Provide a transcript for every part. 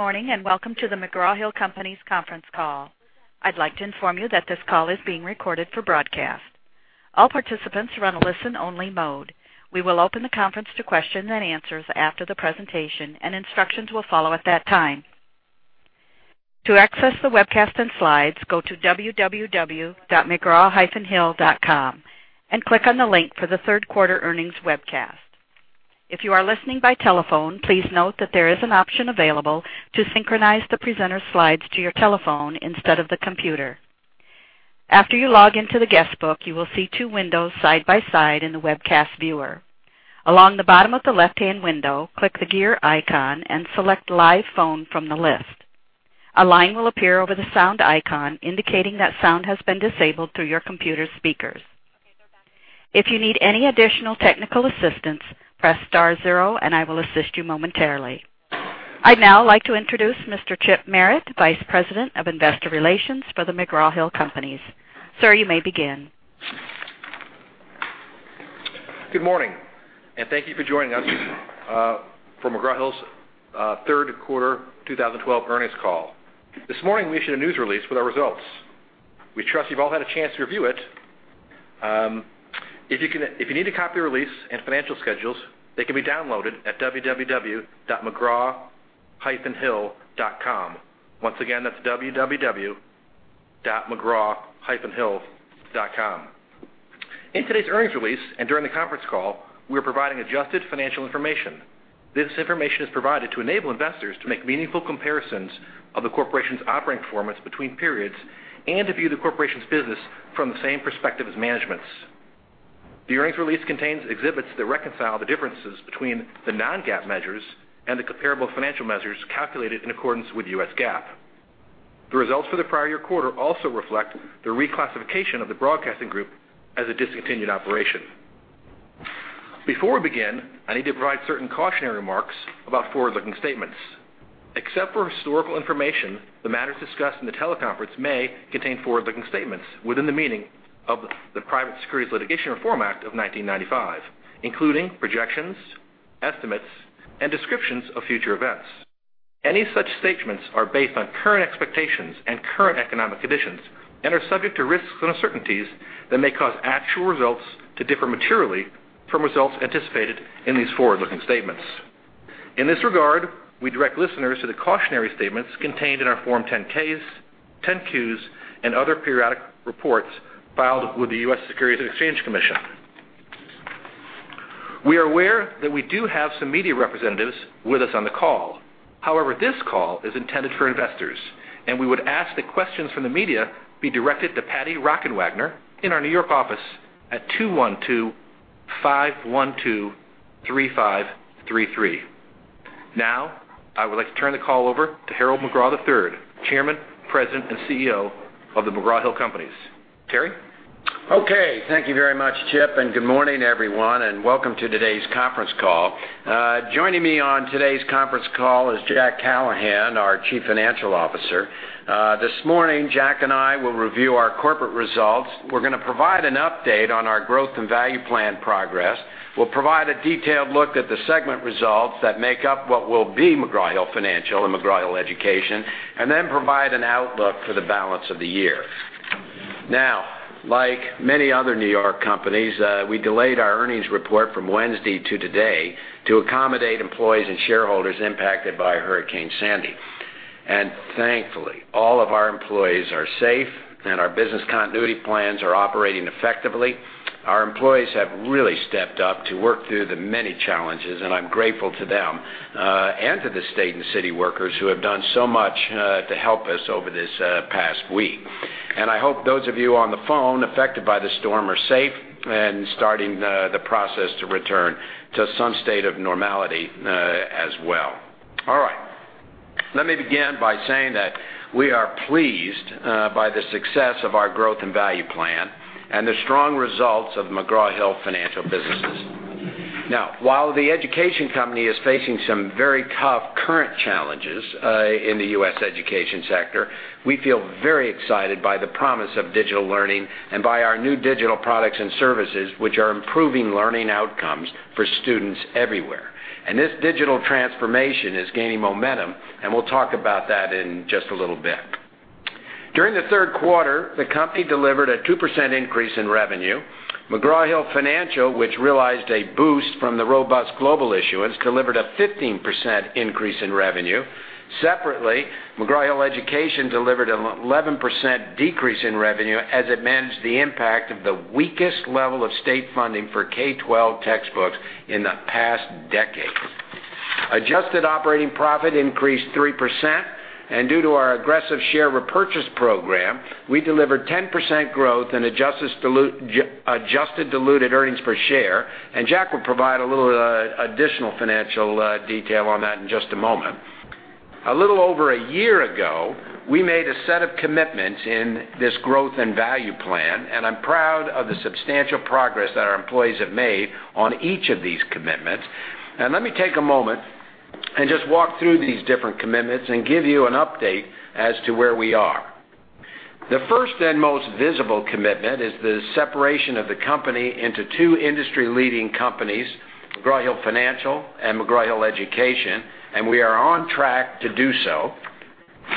Morning, welcome to The McGraw-Hill Companies conference call. I'd like to inform you that this call is being recorded for broadcast. All participants are on a listen-only mode. We will open the conference to questions and answers after the presentation, and instructions will follow at that time. To access the webcast and slides, go to www.mcgraw-hill.com and click on the link for the third quarter earnings webcast. If you are listening by telephone, please note that there is an option available to synchronize the presenter slides to your telephone instead of the computer. After you log into the guest book, you will see two windows side by side in the webcast viewer. Along the bottom of the left-hand window, click the gear icon and select Live Phone from the list. A line will appear over the sound icon indicating that sound has been disabled through your computer speakers. If you need any additional technical assistance, press star zero and I will assist you momentarily. I'd now like to introduce Mr. Chip Merritt, Vice President of Investor Relations for The McGraw-Hill Companies. Sir, you may begin. Good morning, thank you for joining us for McGraw-Hill's third quarter 2012 earnings call. This morning we issued a news release with our results. We trust you've all had a chance to review it. If you need a copy of the release and financial schedules, they can be downloaded at www.mcgraw-hill.com. Once again, that's www.mcgraw-hill.com. In today's earnings release and during the conference call, we're providing adjusted financial information. This information is provided to enable investors to make meaningful comparisons of the corporation's operating performance between periods and to view the corporation's business from the same perspective as management's. The earnings release contains exhibits that reconcile the differences between the non-GAAP measures and the comparable financial measures calculated in accordance with U.S. GAAP. The results for the prior year quarter also reflect the reclassification of the broadcasting group as a discontinued operation. Before we begin, I need to provide certain cautionary remarks about forward-looking statements. Except for historical information, the matters discussed in the teleconference may contain forward-looking statements within the meaning of the Private Securities Litigation Reform Act of 1995, including projections, estimates, and descriptions of future events. Any such statements are based on current expectations and current economic conditions and are subject to risks and uncertainties that may cause actual results to differ materially from results anticipated in these forward-looking statements. In this regard, we direct listeners to the cautionary statements contained in our Form 10-Ks, 10-Qs, and other periodic reports filed with the U.S. Securities and Exchange Commission. We are aware that we do have some media representatives with us on the call. This call is intended for investors. We would ask that questions from the media be directed to Patti Rockenwagner in our New York office at 212-512-3533. I would like to turn the call over to Harold McGraw III, Chairman, President, and CEO of The McGraw-Hill Companies. Harry? Thank you very much, Chip, and good morning, everyone, and welcome to today's conference call. Joining me on today's conference call is Jack Callahan, our Chief Financial Officer. This morning, Jack and I will review our corporate results. We're going to provide an update on our growth and value plan progress. We'll provide a detailed look at the segment results that make up what will be McGraw Hill Financial and McGraw-Hill Education, then provide an outlook for the balance of the year. Like many other New York companies, we delayed our earnings report from Wednesday to today to accommodate employees and shareholders impacted by Hurricane Sandy. Thankfully, all of our employees are safe, and our business continuity plans are operating effectively. Our employees have really stepped up to work through the many challenges, and I'm grateful to them, and to the state and city workers who have done so much to help us over this past week. I hope those of you on the phone affected by the storm are safe and starting the process to return to some state of normality as well. Let me begin by saying that we are pleased by the success of our growth and value plan and the strong results of McGraw Hill Financial businesses. While the education company is facing some very tough current challenges in the U.S. education sector, we feel very excited by the promise of digital learning and by our new digital products and services, which are improving learning outcomes for students everywhere. This digital transformation is gaining momentum, and we'll talk about that in just a little bit. During the third quarter, the company delivered a 2% increase in revenue. McGraw Hill Financial, which realized a boost from the robust global issuance, delivered a 15% increase in revenue. Separately, McGraw-Hill Education delivered an 11% decrease in revenue as it managed the impact of the weakest level of state funding for K-12 textbooks in the past decade. Adjusted operating profit increased 3%. Due to our aggressive share repurchase program, we delivered 10% growth in adjusted diluted earnings per share. Jack will provide a little additional financial detail on that in just a moment. A little over a year ago, we made a set of commitments in this growth and value plan, and I'm proud of the substantial progress that our employees have made on each of these commitments. Let me take a moment and just walk through these different commitments and give you an update as to where we are. The first and most visible commitment is the separation of the company into two industry-leading companies, McGraw Hill Financial and McGraw-Hill Education. We are on track to do so.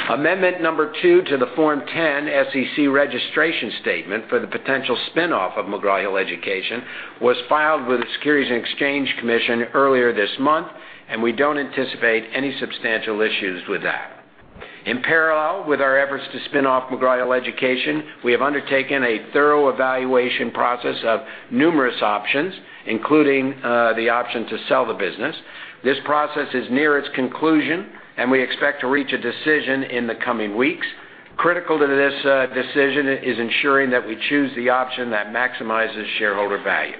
Amendment number 2 to the Form 10 SEC registration statement for the potential spin-off of McGraw-Hill Education was filed with the Securities and Exchange Commission earlier this month. We don't anticipate any substantial issues with that. In parallel with our efforts to spin off McGraw-Hill Education, we have undertaken a thorough evaluation process of numerous options, including the option to sell the business. This process is near its conclusion. We expect to reach a decision in the coming weeks. Critical to this decision is ensuring that we choose the option that maximizes shareholder value.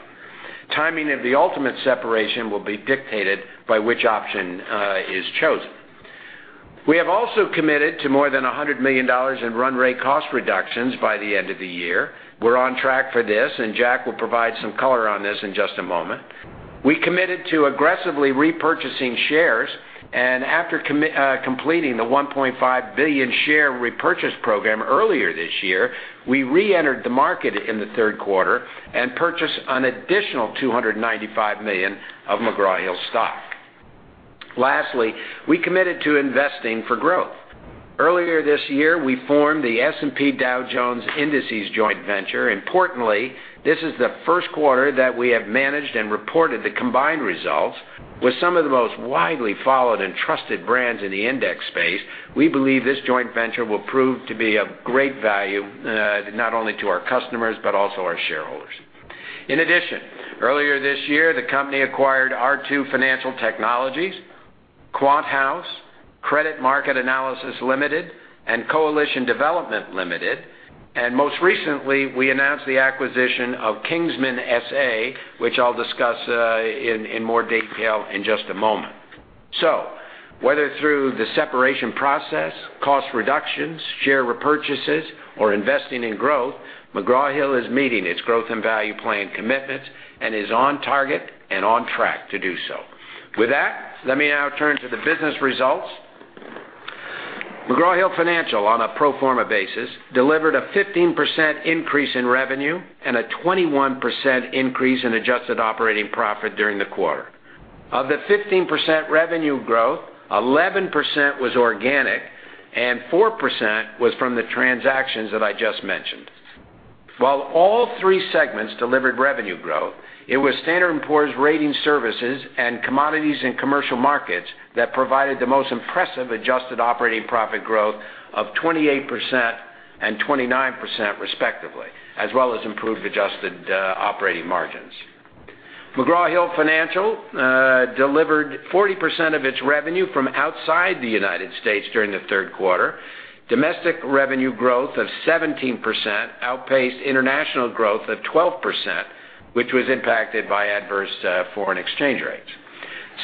Timing of the ultimate separation will be dictated by which option is chosen. We have also committed to more than $100 million in run rate cost reductions by the end of the year. We're on track for this. Jack will provide some color on this in just a moment. We committed to aggressively repurchasing shares. After completing the $1.5 billion share repurchase program earlier this year, we re-entered the market in the third quarter and purchased an additional $295 million of McGraw Hill stock. Lastly, we committed to investing for growth. Earlier this year, we formed the S&P Dow Jones Indices joint venture. Importantly, this is the first quarter that we have managed and reported the combined results with some of the most widely followed and trusted brands in the index space. We believe this joint venture will prove to be of great value, not only to our customers but also our shareholders. In addition, earlier this year, the company acquired R2 Financial Technologies, QuantHouse, Credit Market Analysis Limited, and Coalition Development Limited. Most recently, we announced the acquisition of Kingsman SA, which I'll discuss in more detail in just a moment. Whether through the separation process, cost reductions, share repurchases, or investing in growth, McGraw Hill is meeting its growth and value plan commitments and is on target and on track to do so. With that, let me now turn to the business results. McGraw Hill Financial on a pro forma basis, delivered a 15% increase in revenue and a 21% increase in adjusted operating profit during the quarter. Of the 15% revenue growth, 11% was organic and 4% was from the transactions that I just mentioned. While all three segments delivered revenue growth, it was Standard & Poor's Ratings Services and Commodities & Commercial Markets that provided the most impressive adjusted operating profit growth of 28% and 29% respectively, as well as improved adjusted operating margins. McGraw Hill Financial delivered 40% of its revenue from outside the United States during the third quarter. Domestic revenue growth of 17% outpaced international growth of 12%, which was impacted by adverse foreign exchange rates.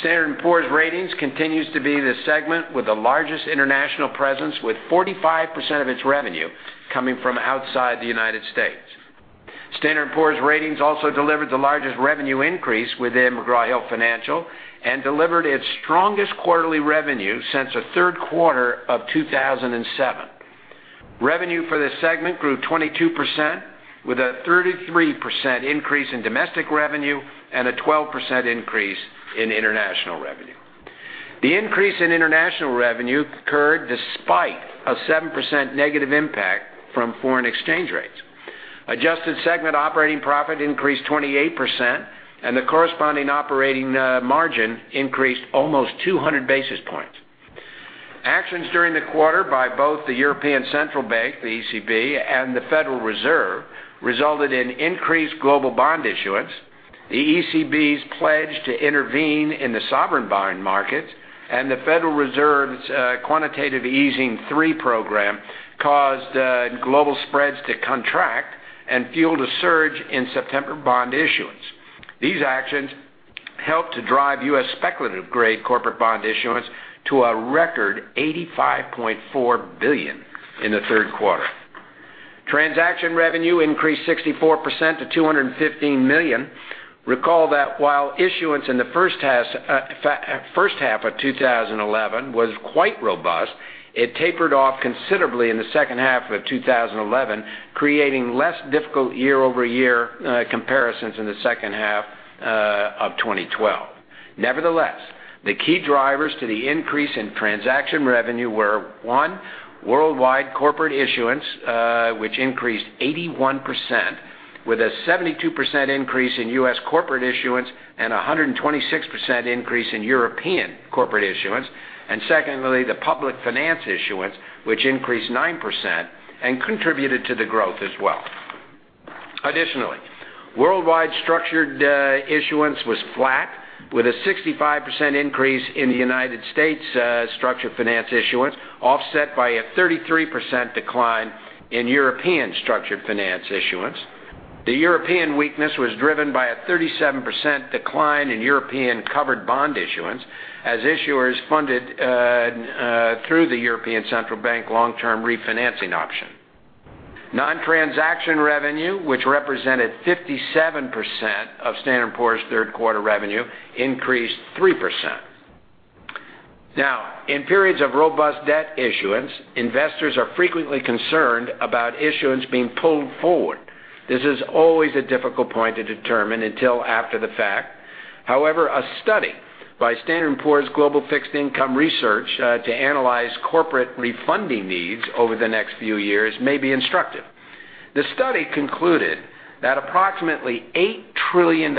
Standard & Poor's Ratings continues to be the segment with the largest international presence, with 45% of its revenue coming from outside the United States. Standard & Poor's Ratings also delivered the largest revenue increase within McGraw Hill Financial and delivered its strongest quarterly revenue since the third quarter of 2007. Revenue for this segment grew 22%, with a 33% increase in domestic revenue and a 12% increase in international revenue. The increase in international revenue occurred despite a 7% negative impact from foreign exchange rates. Adjusted segment operating profit increased 28%, and the corresponding operating margin increased almost 200 basis points. Actions during the quarter by both the European Central Bank, the ECB, and the Federal Reserve resulted in increased global bond issuance. The ECB's pledge to intervene in the sovereign bond markets and the Federal Reserve's Quantitative Easing 3 program caused global spreads to contract and fueled a surge in September bond issuance. These actions helped to drive U.S. speculative-grade corporate bond issuance to a record $85.4 billion in the third quarter. Transaction revenue increased 64% to $215 million. Recall that while issuance in the first half of 2011 was quite robust, it tapered off considerably in the second half of 2011, creating less difficult year-over-year comparisons in the second half of 2012. The key drivers to the increase in transaction revenue were, one, worldwide corporate issuance, which increased 81% with a 72% increase in U.S. corporate issuance and 126% increase in European corporate issuance, and secondly, the public finance issuance, which increased 9% and contributed to the growth as well. Additionally, worldwide structured issuance was flat with a 65% increase in U.S. structured finance issuance offset by a 33% decline in European structured finance issuance. The European weakness was driven by a 37% decline in European covered bond issuance as issuers funded through the European Central Bank long-term refinancing option. Non-transaction revenue, which represented 57% of Standard & Poor's third quarter revenue, increased 3%. In periods of robust debt issuance, investors are frequently concerned about issuance being pulled forward. This is always a difficult point to determine until after the fact. A study by Standard & Poor's Global Fixed Income Research to analyze corporate refunding needs over the next few years may be instructive. The study concluded that approximately $8 trillion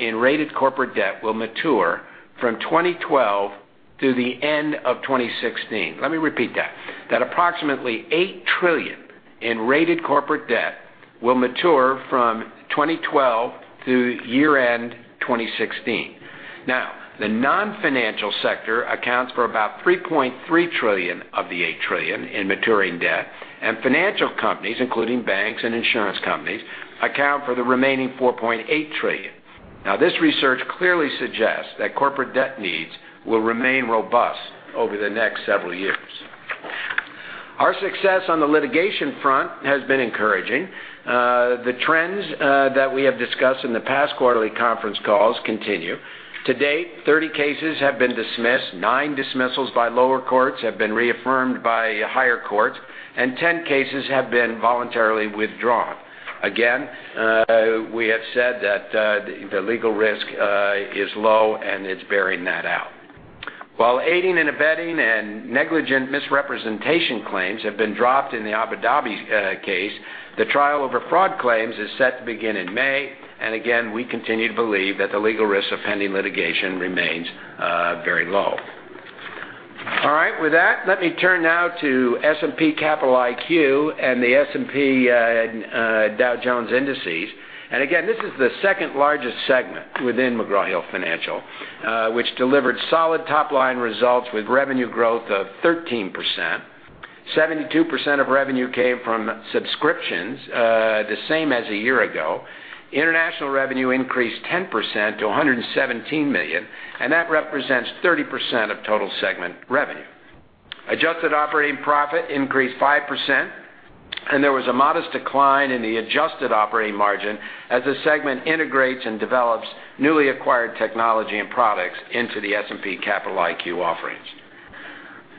in rated corporate debt will mature from 2012 to the end of 2016. Let me repeat that. That approximately $8 trillion in rated corporate debt will mature from 2012 to year-end 2016. The non-financial sector accounts for about $3.3 trillion of the $8 trillion in maturing debt, and financial companies, including banks and insurance companies, account for the remaining $4.8 trillion. This research clearly suggests that corporate debt needs will remain robust over the next several years. Our success on the litigation front has been encouraging. The trends that we have discussed in the past quarterly conference calls continue. To date, 30 cases have been dismissed, nine dismissals by lower courts have been reaffirmed by higher courts, and 10 cases have been voluntarily withdrawn. We have said that the legal risk is low, and it's bearing that out. While aiding and abetting and negligent misrepresentation claims have been dropped in the Abu Dhabi case, the trial over fraud claims is set to begin in May. We continue to believe that the legal risk of pending litigation remains very low. With that, let me turn now to S&P Capital IQ and the S&P Dow Jones Indices. This is the second-largest segment within McGraw Hill Financial, which delivered solid top-line results with revenue growth of 13%. 72% of revenue came from subscriptions, the same as a year ago. International revenue increased 10% to $117 million, and that represents 30% of total segment revenue. Adjusted operating profit increased 5%, there was a modest decline in the adjusted operating margin as the segment integrates and develops newly acquired technology and products into the S&P Capital IQ offerings.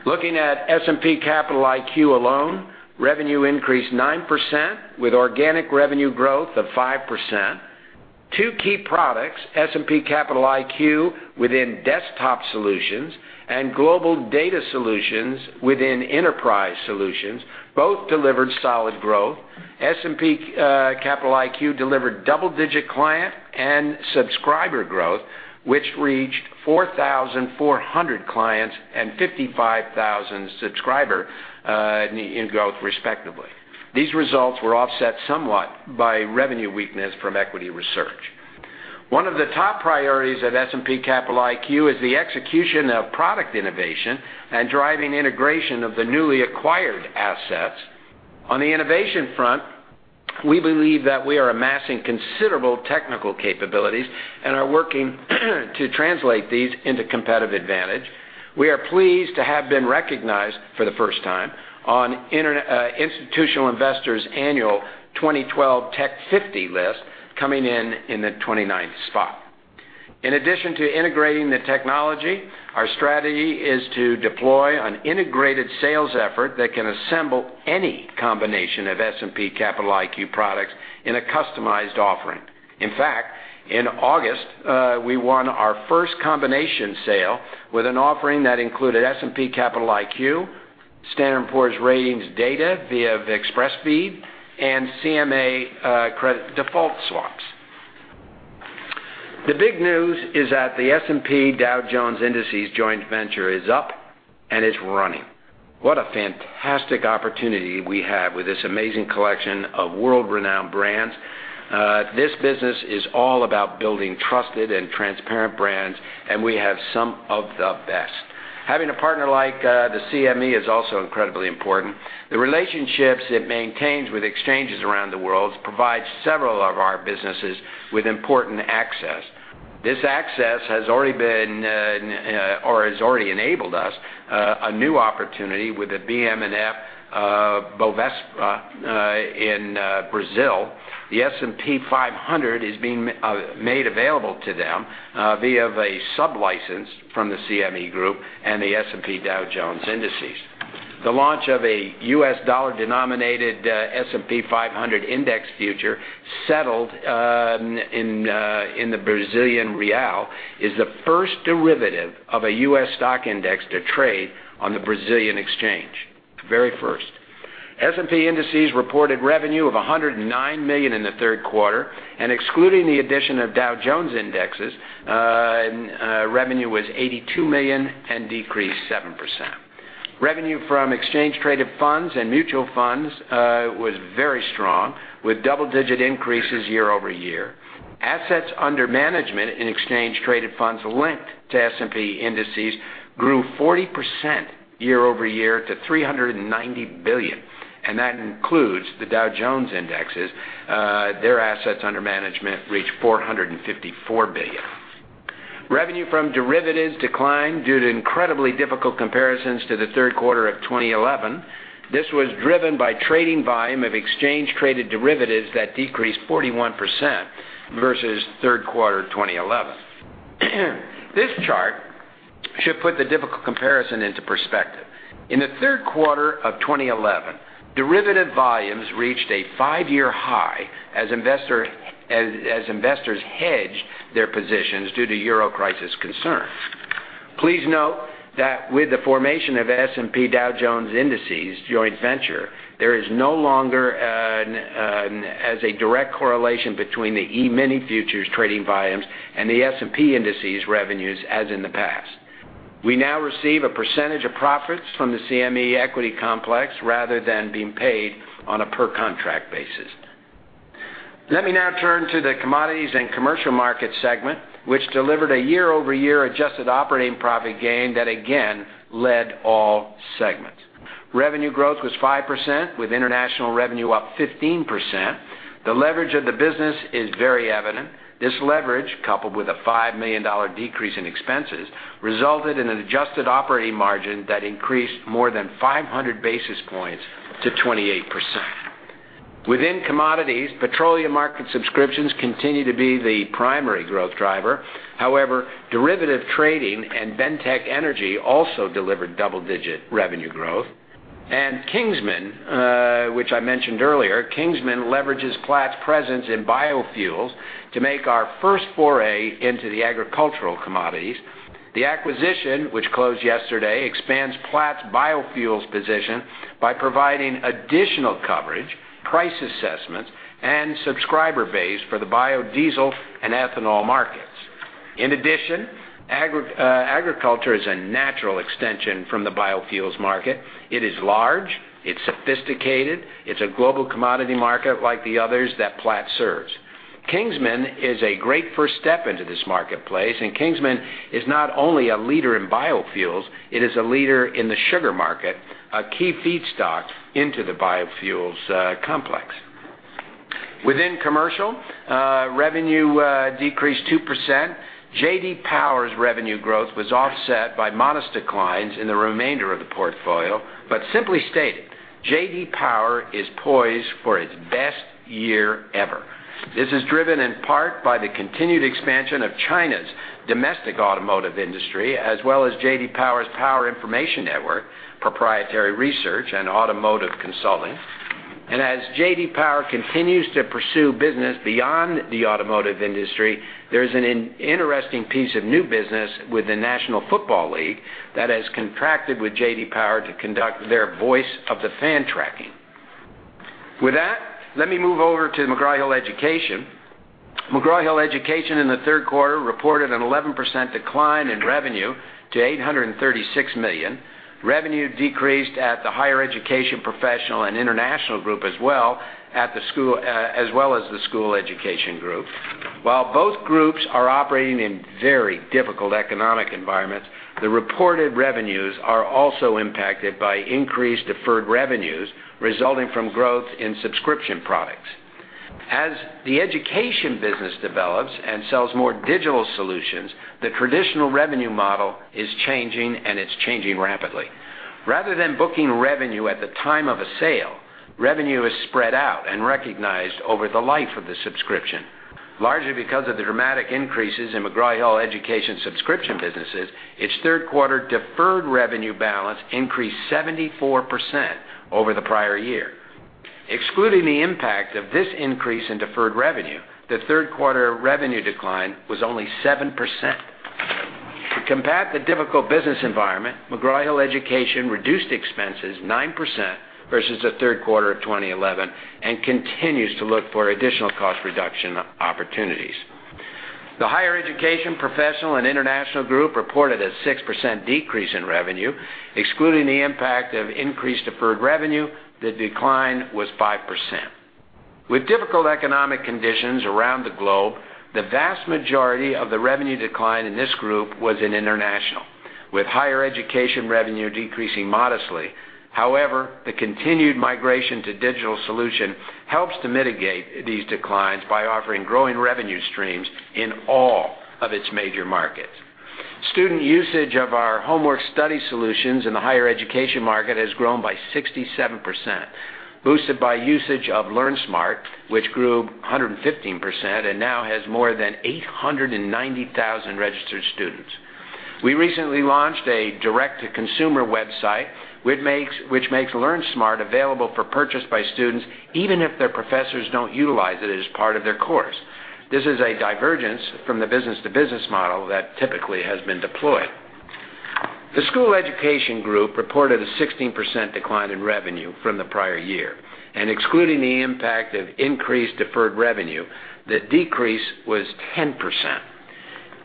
Looking at S&P Capital IQ alone, revenue increased 9% with organic revenue growth of 5%. Two key products, S&P Capital IQ within Desktop Solutions and Global Data Solutions within Enterprise Solutions, both delivered solid growth. S&P Capital IQ delivered double-digit client and subscriber growth, which reached 4,400 clients and 55,000 subscriber in growth, respectively. These results were offset somewhat by revenue weakness from equity research. One of the top priorities of S&P Capital IQ is the execution of product innovation and driving integration of the newly acquired assets. On the innovation front, we believe that we are amassing considerable technical capabilities and are working to translate these into competitive advantage. We are pleased to have been recognized for the first time on Institutional Investor's annual 2012 Tech 50 list, coming in in the 29th spot. In addition to integrating the technology, our strategy is to deploy an integrated sales effort that can assemble any combination of S&P Capital IQ products in a customized offering. In fact, in August, we won our first combination sale with an offering that included S&P Capital IQ, Standard & Poor's ratings data via Express Feed, and CMA credit default swaps. The big news is that the S&P Dow Jones Indices joint venture is up and it's running. What a fantastic opportunity we have with this amazing collection of world-renowned brands. This business is all about building trusted and transparent brands, and we have some of the best. Having a partner like the CME is also incredibly important. The relationships it maintains with exchanges around the world provide several of our businesses with important access. This access has already enabled us a new opportunity with the BM&FBOVESPA in Brazil. The S&P 500 is being made available to them via a sublicense from the CME Group and the S&P Dow Jones Indices. The launch of a U.S. dollar-denominated S&P 500 index future settled in the Brazilian real is the first derivative of a U.S. stock index to trade on the Brazilian exchange. The very first. S&P Indices reported revenue of $109 million in the third quarter, excluding the addition of Dow Jones Indexes, revenue was $82 million and decreased 7%. Revenue from exchange traded funds and mutual funds was very strong, with double-digit increases year-over-year. Assets under management in exchange traded funds linked to S&P Indices grew 40% year-over-year to $390 billion, that includes the Dow Jones Indexes. Their assets under management reached $454 billion. Revenue from derivatives declined due to incredibly difficult comparisons to the third quarter of 2011. This was driven by trading volume of exchange traded derivatives that decreased 41% versus third quarter 2011. This chart should put the difficult comparison into perspective. In the third quarter of 2011, derivative volumes reached a five-year high as investors hedged their positions due to euro crisis concerns. Please note that with the formation of S&P Dow Jones Indices joint venture, there is no longer as a direct correlation between the E-mini futures trading volumes and the S&P Indices revenues as in the past. We now receive a percentage of profits from the CME equity complex rather than being paid on a per contract basis. Let me now turn to the Commodities & Commercial Markets segment, which delivered a year-over-year adjusted operating profit gain that again led all segments. Revenue growth was 5%, with international revenue up 15%. The leverage of the business is very evident. This leverage, coupled with a $5 million decrease in expenses, resulted in an adjusted operating margin that increased more than 500 basis points to 28%. Within commodities, petroleum market subscriptions continue to be the primary growth driver. However, derivative trading and Bentek Energy also delivered double-digit revenue growth. Kingsman, which I mentioned earlier, Kingsman leverages Platts presence in biofuels to make our first foray into the agricultural commodities. The acquisition, which closed yesterday, expands Platts biofuels position by providing additional coverage, price assessments, and subscriber base for the biodiesel and ethanol markets. In addition, agriculture is a natural extension from the biofuels market. It is large. It's sophisticated. It's a global commodity market like the others that Platts serves. Kingsman is a great first step into this marketplace, and Kingsman is not only a leader in biofuels, it is a leader in the sugar market, a key feedstock into the biofuels complex. Within commercial, revenue decreased 2%. J.D. Power's revenue growth was offset by modest declines in the remainder of the portfolio. Simply stated, J.D. Power is poised for its best year ever. This is driven in part by the continued expansion of China's domestic automotive industry, as well as J.D. Power's Power Information Network, proprietary research, and automotive consulting. As J.D. Power continues to pursue business beyond the automotive industry, there is an interesting piece of new business with the National Football League that has contracted with J.D. Power to conduct their Voice of the Fan tracking. With that, let me move over to McGraw-Hill Education. McGraw-Hill Education in the third quarter reported an 11% decline in revenue to $836 million. Revenue decreased at the Higher Education, Professional and International group as well as the School Education group. While both groups are operating in very difficult economic environments, the reported revenues are also impacted by increased deferred revenues resulting from growth in subscription products. As the education business develops and sells more digital solutions, the traditional revenue model is changing, and it's changing rapidly. Rather than booking revenue at the time of a sale, revenue is spread out and recognized over the life of the subscription. Largely because of the dramatic increases in McGraw-Hill Education subscription businesses, its third quarter deferred revenue balance increased 74% over the prior year. Excluding the impact of this increase in deferred revenue, the third quarter revenue decline was only 7%. To combat the difficult business environment, McGraw-Hill Education reduced expenses 9% versus the third quarter of 2011 and continues to look for additional cost reduction opportunities. The Higher Education, Professional and International group reported a 6% decrease in revenue. Excluding the impact of increased deferred revenue, the decline was 5%. With difficult economic conditions around the globe, the vast majority of the revenue decline in this group was in international, with Higher Education revenue decreasing modestly. The continued migration to digital solution helps to mitigate these declines by offering growing revenue streams in all of its major markets. Student usage of our homework study solutions in the Higher Education market has grown by 67%, boosted by usage of LearnSmart, which grew 115% and now has more than 890,000 registered students. We recently launched a direct-to-consumer website which makes LearnSmart available for purchase by students even if their professors don't utilize it as part of their course. This is a divergence from the business-to-business model that typically has been deployed. The School Education group reported a 16% decline in revenue from the prior year, excluding the impact of increased deferred revenue, the decrease was 10%.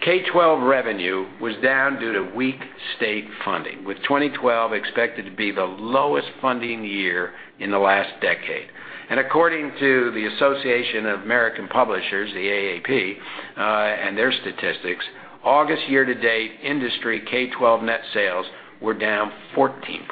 K-12 revenue was down due to weak state funding, with 2012 expected to be the lowest funding year in the last decade. According to the Association of American Publishers, the AAP, and their statistics, August year-to-date industry K-12 net sales were down 14%.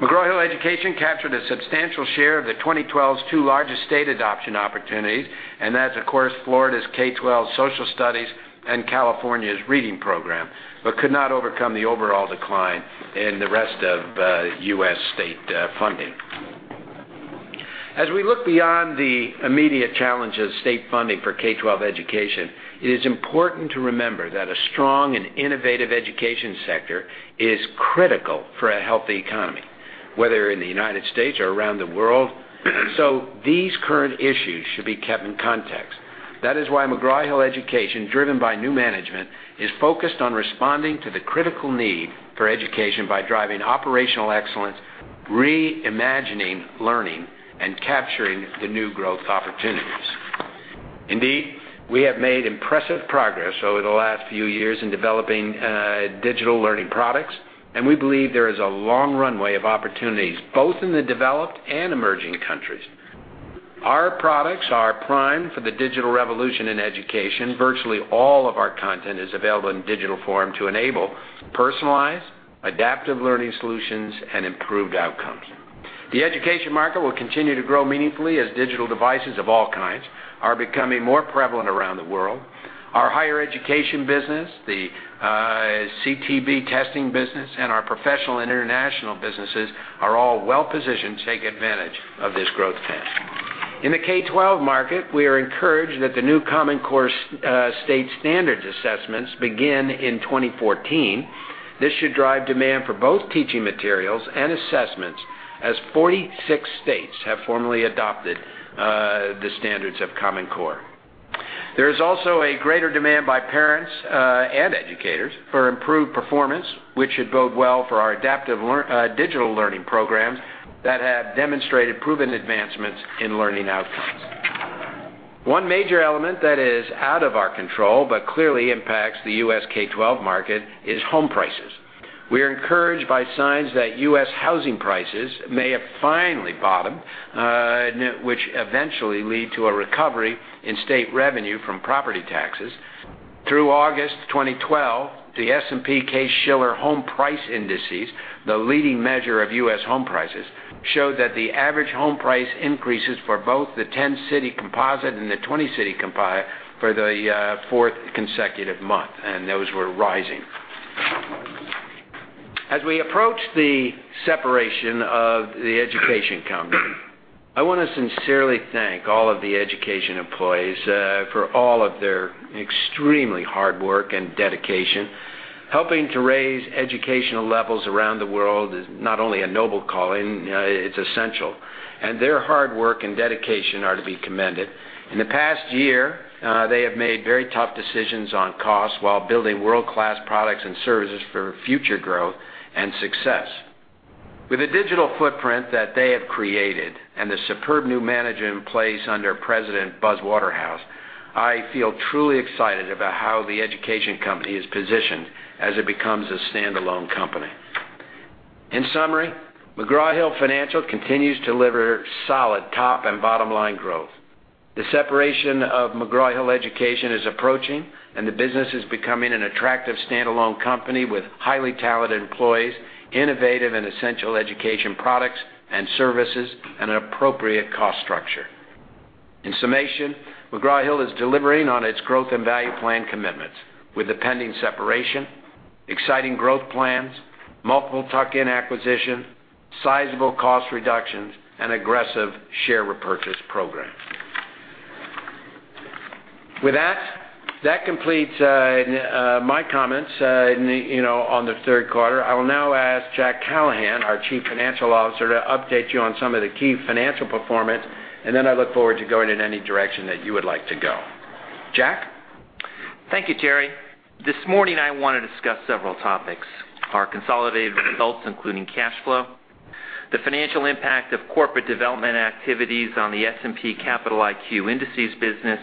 McGraw Hill Education captured a substantial share of the 2012's two largest state adoption opportunities, that's of course, Florida's K-12 social studies and California's reading program, but could not overcome the overall decline in the rest of U.S. state funding. As we look beyond the immediate challenge of state funding for K-12 education, it is important to remember that a strong and innovative education sector is critical for a healthy economy, whether in the United States or around the world. These current issues should be kept in context. That is why McGraw Hill Education, driven by new management, is focused on responding to the critical need for education by driving operational excellence, reimagining learning, and capturing the new growth opportunities. Indeed, we have made impressive progress over the last few years in developing digital learning products, and we believe there is a long runway of opportunities both in the developed and emerging countries. Our products are primed for the digital revolution in education. Virtually all of our content is available in digital form to enable personalized adaptive learning solutions and improved outcomes. The education market will continue to grow meaningfully as digital devices of all kinds are becoming more prevalent around the world. Our Higher Education business, the CTB testing business, and our professional and international businesses are all well-positioned to take advantage of this growth path. In the K-12 market, we are encouraged that the new Common Core State Standards assessments begin in 2014. This should drive demand for both teaching materials and assessments as 46 states have formally adopted the standards of Common Core. There is also a greater demand by parents and educators for improved performance, which should bode well for our adaptive digital learning programs that have demonstrated proven advancements in learning outcomes. One major element that is out of our control but clearly impacts the U.S. K-12 market is home prices. We are encouraged by signs that U.S. housing prices may have finally bottomed, which eventually lead to a recovery in state revenue from property taxes. Through August 2012, the S&P CoreLogic Case-Shiller Home Price Indices, the leading measure of U.S. home prices, showed that the average home price increases for both the 10-city composite and the 20-city composite for the fourth consecutive month, and those were rising. As we approach the separation of the education company, I want to sincerely thank all of the education employees for all of their extremely hard work and dedication. Helping to raise educational levels around the world is not only a noble calling, it's essential, and their hard work and dedication are to be commended. In the past year, they have made very tough decisions on costs while building world-class products and services for future growth and success. With the digital footprint that they have created and the superb new management in place under President Buzz Waterhouse, I feel truly excited about how the education company is positioned as it becomes a standalone company. In summary, McGraw Hill Financial continues to deliver solid top and bottom-line growth. The separation of McGraw-Hill Education is approaching, and the business is becoming an attractive standalone company with highly talented employees, innovative and essential education products and services, and an appropriate cost structure. In summation, McGraw Hill Financial is delivering on its growth and value plan commitments with the pending separation, exciting growth plans, multiple tuck-in acquisitions, sizable cost reductions, and aggressive share repurchase program. With that completes my comments on the third quarter. I will now ask Jack Callahan, our Chief Financial Officer, to update you on some of the key financial performance. I look forward to going in any direction that you would like to go. Jack? Thank you, Terry. This morning, I want to discuss several topics. Our consolidated results, including cash flow, the financial impact of corporate development activities on the S&P Capital IQ indices business,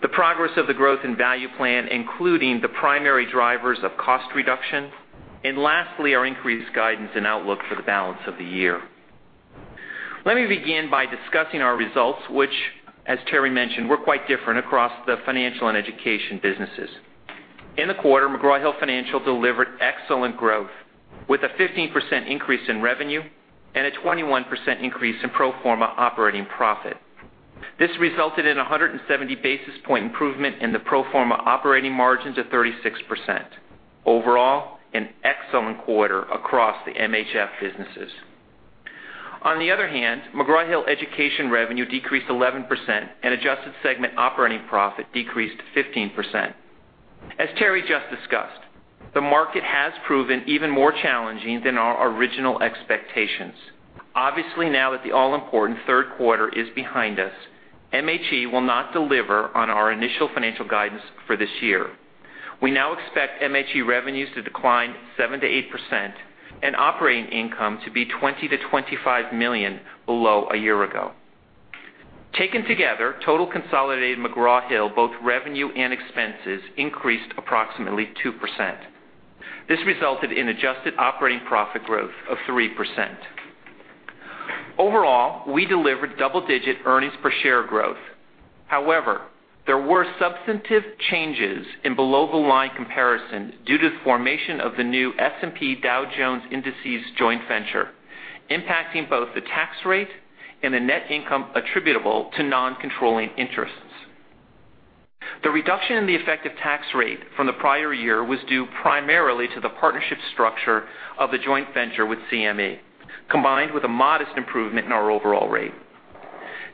the progress of the growth and value plan, including the primary drivers of cost reduction, and lastly, our increased guidance and outlook for the balance of the year. Let me begin by discussing our results, which, as Terry mentioned, were quite different across the financial and education businesses. In the quarter, McGraw Hill Financial delivered excellent growth with a 15% increase in revenue and a 21% increase in pro forma operating profit. This resulted in a 170-basis point improvement in the pro forma operating margins of 36%. Overall, an excellent quarter across the MHF businesses. On the other hand, McGraw-Hill Education revenue decreased 11% and adjusted segment operating profit decreased 15%. As Terry just discussed, the market has proven even more challenging than our original expectations. Obviously, now that the all-important third quarter is behind us, MHE will not deliver on our initial financial guidance for this year. We now expect MHE revenues to decline 7%-8% and operating income to be $20 million-$25 million below a year ago. Taken together, total consolidated McGraw Hill, both revenue and expenses, increased approximately 2%. This resulted in adjusted operating profit growth of 3%. Overall, we delivered double-digit earnings per share growth. However, there were substantive changes in below-the-line comparison due to the formation of the new S&P Dow Jones Indices joint venture, impacting both the tax rate and the net income attributable to non-controlling interests. The reduction in the effective tax rate from the prior year was due primarily to the partnership structure of the joint venture with CME, combined with a modest improvement in our overall rate.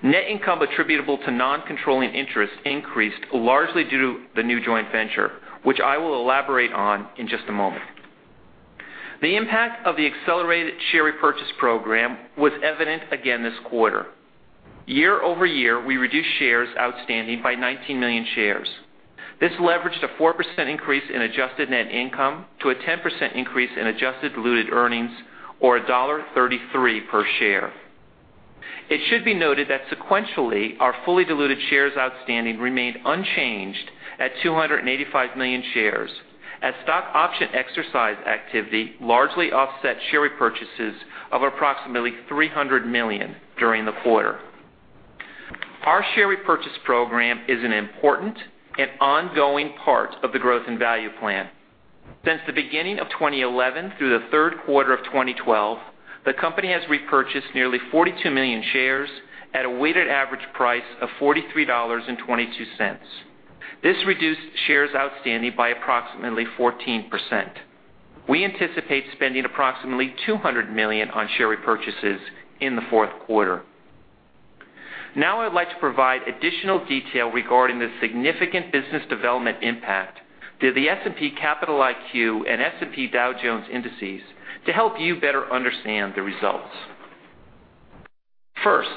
Net income attributable to non-controlling interest increased largely due to the new joint venture, which I will elaborate on in just a moment. The impact of the accelerated share repurchase program was evident again this quarter. Year-over-year, we reduced shares outstanding by 19 million shares. This leveraged a 4% increase in adjusted net income to a 10% increase in adjusted diluted earnings, or $1.33 per share. It should be noted that sequentially, our fully diluted shares outstanding remained unchanged at 285 million shares, as stock option exercise activity largely offset share repurchases of approximately 300 million during the quarter. Our share repurchase program is an important and ongoing part of the growth and value plan. Since the beginning of 2011 through the third quarter of 2012, the company has repurchased nearly 42 million shares at a weighted average price of $43.22. This reduced shares outstanding by approximately 14%. We anticipate spending approximately $200 million on share repurchases in the fourth quarter. I'd like to provide additional detail regarding the significant business development impact to the S&P Capital IQ and S&P Dow Jones Indices to help you better understand the results. First,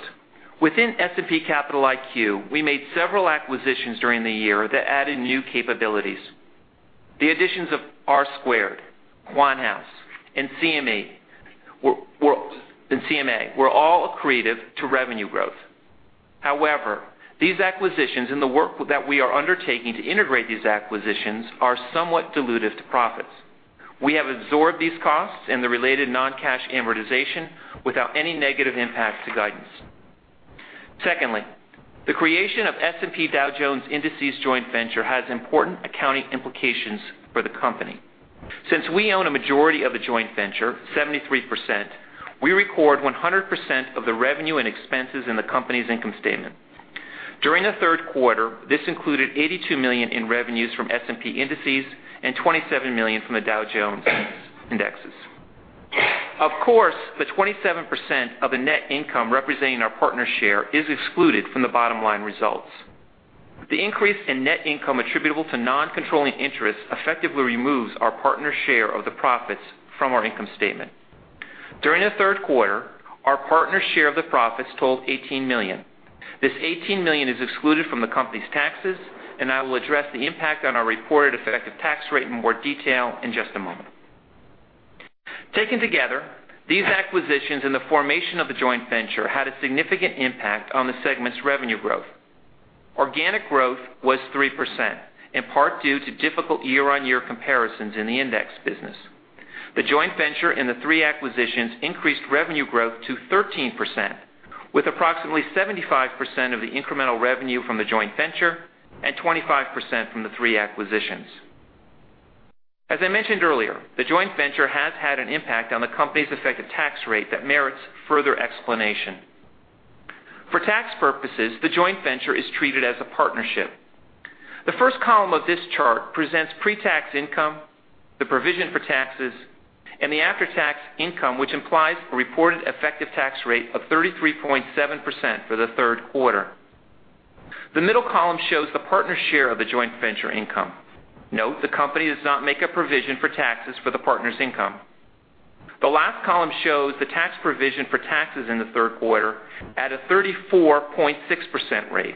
within S&P Capital IQ, we made several acquisitions during the year that added new capabilities. The additions of R2, QuantHouse, and CMA were all accretive to revenue growth. However, these acquisitions and the work that we are undertaking to integrate these acquisitions are somewhat dilutive to profits. We have absorbed these costs and the related non-cash amortization without any negative impact to guidance. Secondly, the creation of S&P Dow Jones Indices joint venture has important accounting implications for the company. Since we own a majority of the joint venture, 73%, we record 100% of the revenue and expenses in the company's income statement. During the third quarter, this included $82 million in revenues from S&P Indices and $27 million from the Dow Jones Indexes. Of course, the 27% of the net income representing our partner's share is excluded from the bottom-line results. The increase in net income attributable to non-controlling interest effectively removes our partner's share of the profits from our income statement. During the third quarter, our partner's share of the profits totaled $18 million. This $18 million is excluded from the company's taxes, and I will address the impact on our reported effective tax rate in more detail in just a moment. Taken together, these acquisitions and the formation of the joint venture had a significant impact on the segment's revenue growth. Organic growth was 3%, in part due to difficult year-on-year comparisons in the index business. The joint venture and the three acquisitions increased revenue growth to 13%, with approximately 75% of the incremental revenue from the joint venture and 25% from the three acquisitions. As I mentioned earlier, the joint venture has had an impact on the company's effective tax rate that merits further explanation. For tax purposes, the joint venture is treated as a partnership. The first column of this chart presents pre-tax income, the provision for taxes, and the after-tax income, which implies a reported effective tax rate of 33.7% for the third quarter. The middle column shows the partner's share of the joint venture income. Note, the company does not make a provision for taxes for the partner's income. The last column shows the tax provision for taxes in the third quarter at a 34.6% rate,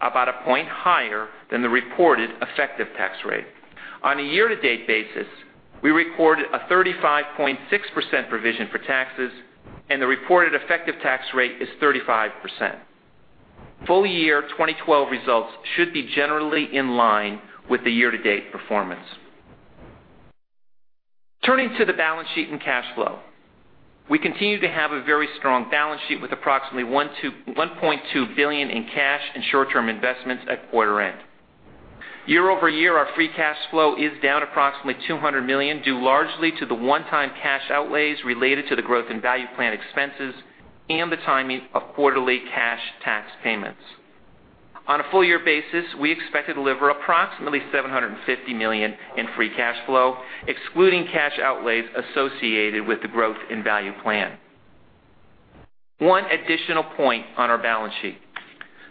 about a point higher than the reported effective tax rate. On a year-to-date basis, we recorded a 35.6% provision for taxes, and the reported effective tax rate is 35%. Full-year 2012 results should be generally in line with the year-to-date performance. Turning to the balance sheet and cash flow. We continue to have a very strong balance sheet with approximately $1.2 billion in cash and short-term investments at quarter-end. Year-over-year, our free cash flow is down approximately $200 million, due largely to the one-time cash outlays related to the Growth and Value Plan expenses and the timing of quarterly cash tax payments. On a full-year basis, we expect to deliver approximately $750 million in free cash flow, excluding cash outlays associated with the Growth and Value Plan. One additional point on our balance sheet.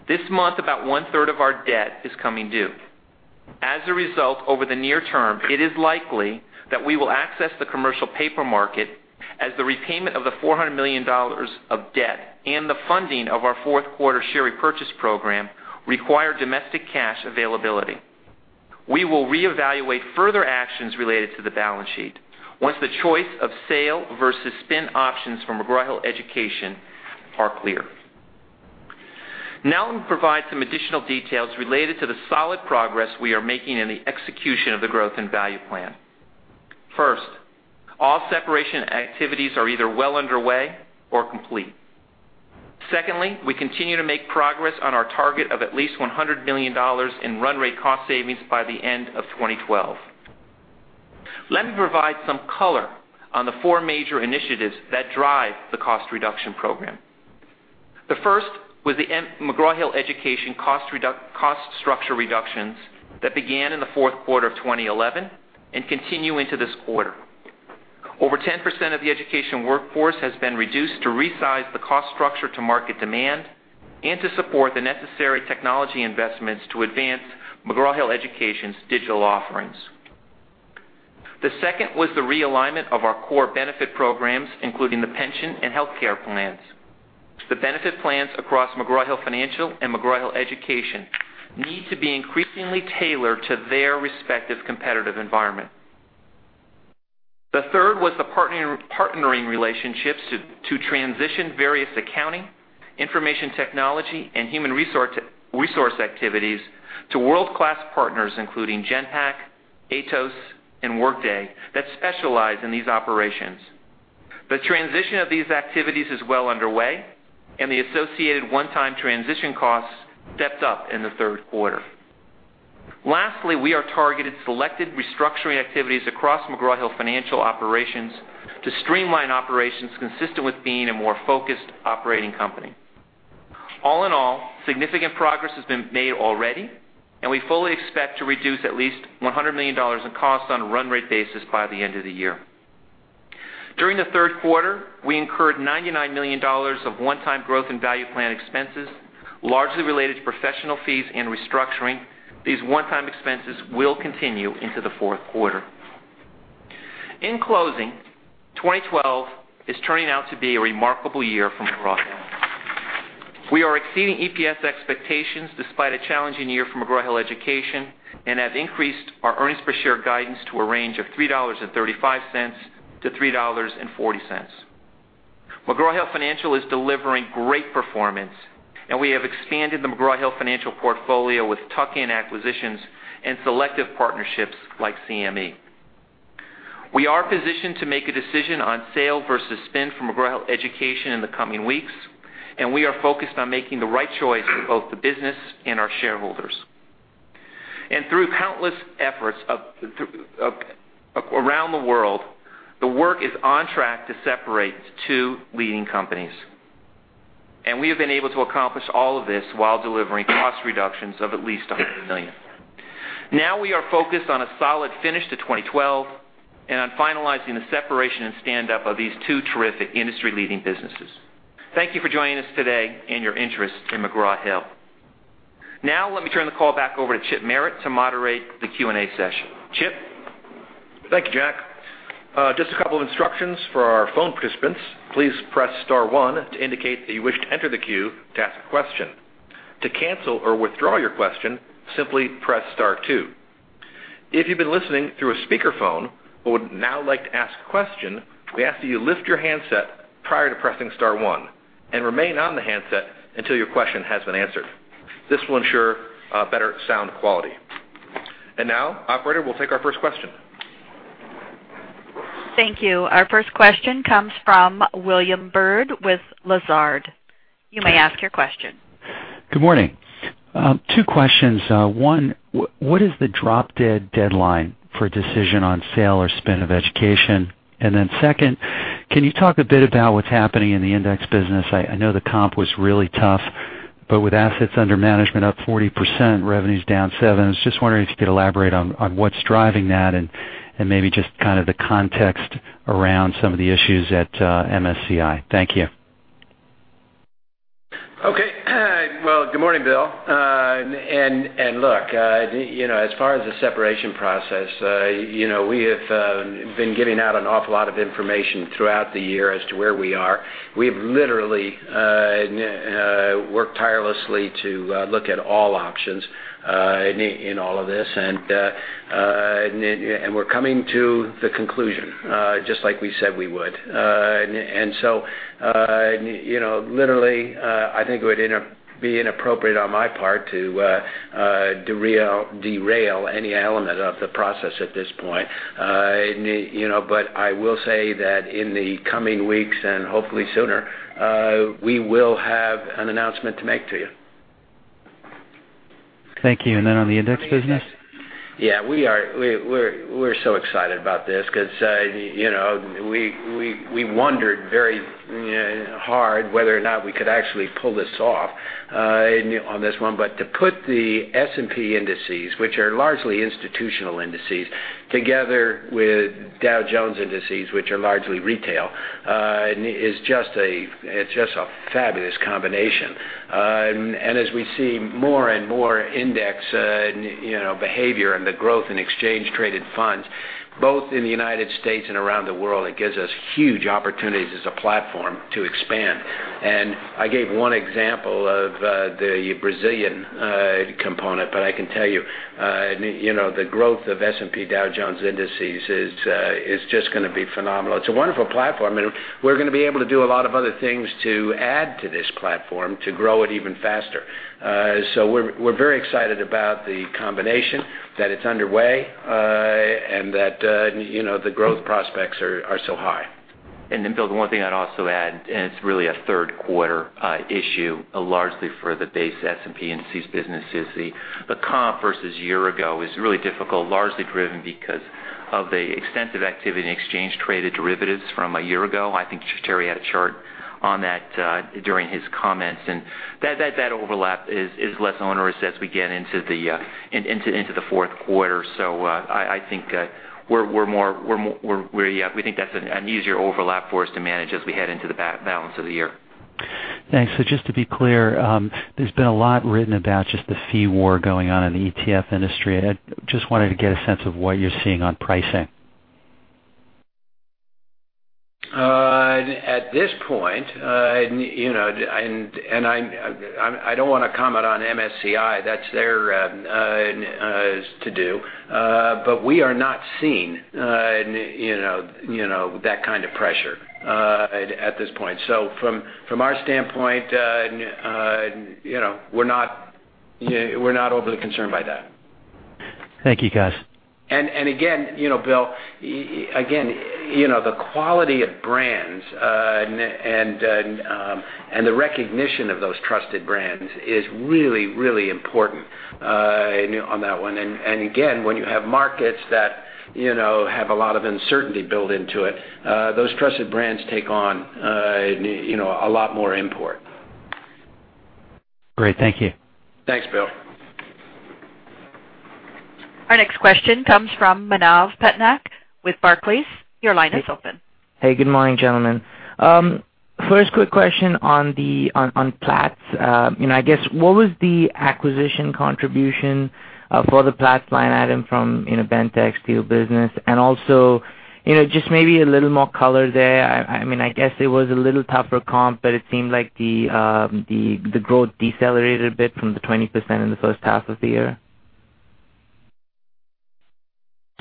This month, about one-third of our debt is coming due. As a result, over the near term, it is likely that we will access the commercial paper market as the repayment of the $400 million of debt and the funding of our fourth quarter share repurchase program require domestic cash availability. We will reevaluate further actions related to the balance sheet once the choice of sale versus spin options from McGraw-Hill Education are clear. I'm going to provide some additional details related to the solid progress we are making in the execution of the Growth and Value Plan. First, all separation activities are either well underway or complete. Secondly, we continue to make progress on our target of at least $100 million in run rate cost savings by the end of 2012. Let me provide some color on the four major initiatives that drive the cost reduction program. The first was the McGraw-Hill Education cost structure reductions that began in the fourth quarter of 2011 and continue into this quarter. Over 10% of the education workforce has been reduced to resize the cost structure to market demand and to support the necessary technology investments to advance McGraw-Hill Education's digital offerings. The second was the realignment of our core benefit programs, including the pension and healthcare plans. The benefit plans across McGraw Hill Financial and McGraw-Hill Education need to be increasingly tailored to their respective competitive environment. The third was the partnering relationships to transition various accounting, information technology, and human resource activities to world-class partners, including Genpact, Atos, and Workday, that specialize in these operations. The transition of these activities is well underway, and the associated one-time transition costs stepped up in the third quarter. We are targeted, selected restructuring activities across McGraw Hill Financial operations to streamline operations consistent with being a more focused operating company. All in all, significant progress has been made already, and we fully expect to reduce at least $100 million in costs on a run rate basis by the end of the year. During the third quarter, we incurred $99 million of one-time Growth and Value Plan expenses, largely related to professional fees and restructuring. These one-time expenses will continue into the fourth quarter. 2012 is turning out to be a remarkable year for McGraw Hill. We are exceeding EPS expectations despite a challenging year for McGraw-Hill Education and have increased our earnings per share guidance to a range of $3.35-$3.40. McGraw Hill Financial is delivering great performance. We have expanded the McGraw Hill Financial portfolio with tuck-in acquisitions and selective partnerships like CME. We are positioned to make a decision on sale versus spin for McGraw-Hill Education in the coming weeks. We are focused on making the right choice for both the business and our shareholders. Through countless efforts around the world, the work is on track to separate two leading companies. We have been able to accomplish all of this while delivering cost reductions of at least $100 million. We are focused on a solid finish to 2012 and on finalizing the separation and stand-up of these two terrific industry-leading businesses. Thank you for joining us today and your interest in McGraw-Hill. Let me turn the call back over to Chip Merritt to moderate the Q&A session. Chip? Thank you, Jack. Just a couple of instructions for our phone participants. Please press star one to indicate that you wish to enter the queue to ask a question. To cancel or withdraw your question, simply press star two. If you've been listening through a speakerphone but would now like to ask a question, we ask that you lift your handset prior to pressing star one and remain on the handset until your question has been answered. This will ensure better sound quality. Now, operator, we'll take our first question. Thank you. Our first question comes from William Bird with Lazard. You may ask your question. Good morning. Two questions. One, what is the drop-dead deadline for a decision on sale or spin of Education? Two, can you talk a bit about what's happening in the Index Business? I know the comp was really tough, but with assets under management up 40%, revenue's down 7%. I was just wondering if you could elaborate on what's driving that and maybe just the context around some of the issues at MSCI. Thank you. Okay. Well, good morning, Bill. Look, as far as the separation process, we have been giving out an awful lot of information throughout the year as to where we are. We have literally worked tirelessly to look at all options in all of this, and we're coming to the conclusion, just like we said we would. Literally, I think it would be inappropriate on my part to derail any element of the process at this point. I will say that in the coming weeks, and hopefully sooner, we will have an announcement to make to you. Thank you. On the Index Business? We're so excited about this because we wondered very hard whether or not we could actually pull this off on this one. To put the S&P Indices, which are largely institutional indices, together with Dow Jones Indexes, which are largely retail, it's just a fabulous combination. As we see more and more index behavior and the growth in ETFs, both in the U.S. and around the world, it gives us huge opportunities as a platform to expand. I gave 1 example of the Brazilian component. I can tell you the growth of S&P Dow Jones Indices is just going to be phenomenal. It's a wonderful platform. We're going to be able to do a lot of other things to add to this platform to grow it even faster. We're very excited about the combination, that it's underway, and that the growth prospects are so high. Bill, the one thing I'd also add, it's really a third quarter issue, largely for the base S&P and CS businesses, the comp versus year-ago is really difficult, largely driven because of the extensive activity in exchange traded derivatives from a year ago. I think Terry had a chart on that during his comments, that overlap is less onerous as we get into the fourth quarter. I think we think that's an easier overlap for us to manage as we head into the balance of the year. Thanks. Just to be clear, there's been a lot written about just the fee war going on in the ETF industry. I just wanted to get a sense of what you're seeing on pricing. At this point, I don't want to comment on MSCI, that's their to do, we are not seeing that kind of pressure at this point. From our standpoint, we're not overly concerned by that. Thank you, guys. Bill, again, the quality of brands and the recognition of those trusted brands is really, really important on that one. Again, when you have markets that have a lot of uncertainty built into it, those trusted brands take on a lot more import. Great. Thank you. Thanks, Bill. Our next question comes from Manav Patnaik with Barclays. Your line is open. Hey, good morning, gentlemen. First quick question on Platts. I guess, what was the acquisition contribution for the Platts line item from Bentek Energy? Also, just maybe a little more color there. I guess it was a little tougher comp, but it seemed like the growth decelerated a bit from the 20% in the first half of the year.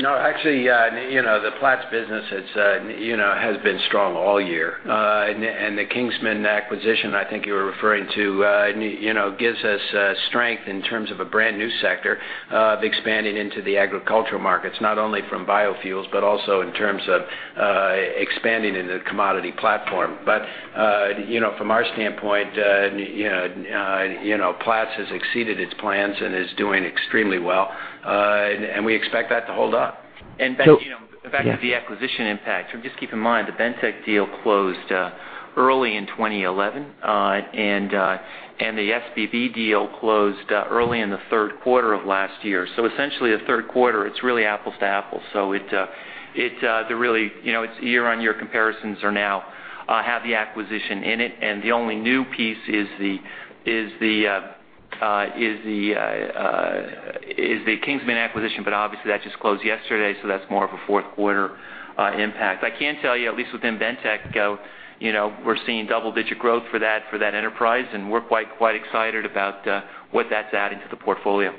No, actually, the Platts business has been strong all year. The Kingsman acquisition, I think you were referring to gives us strength in terms of a brand new sector of expanding into the agricultural markets, not only from biofuels, but also in terms of expanding in the commodity platform. From our standpoint, Platts has exceeded its plans and is doing extremely well. We expect that to hold up. Back to the acquisition impact. Just keep in mind, the Bentek deal closed early in 2011, and the SPV deal closed early in the third quarter of last year. Essentially the third quarter, it's really apples to apples. It's year-on-year comparisons are now have the acquisition in it, and the only new piece is the Kingsman acquisition. Obviously that just closed yesterday, so that's more of a fourth quarter impact. I can tell you, at least within Bentek, we're seeing double-digit growth for that enterprise, and we're quite excited about what that's adding to the portfolio.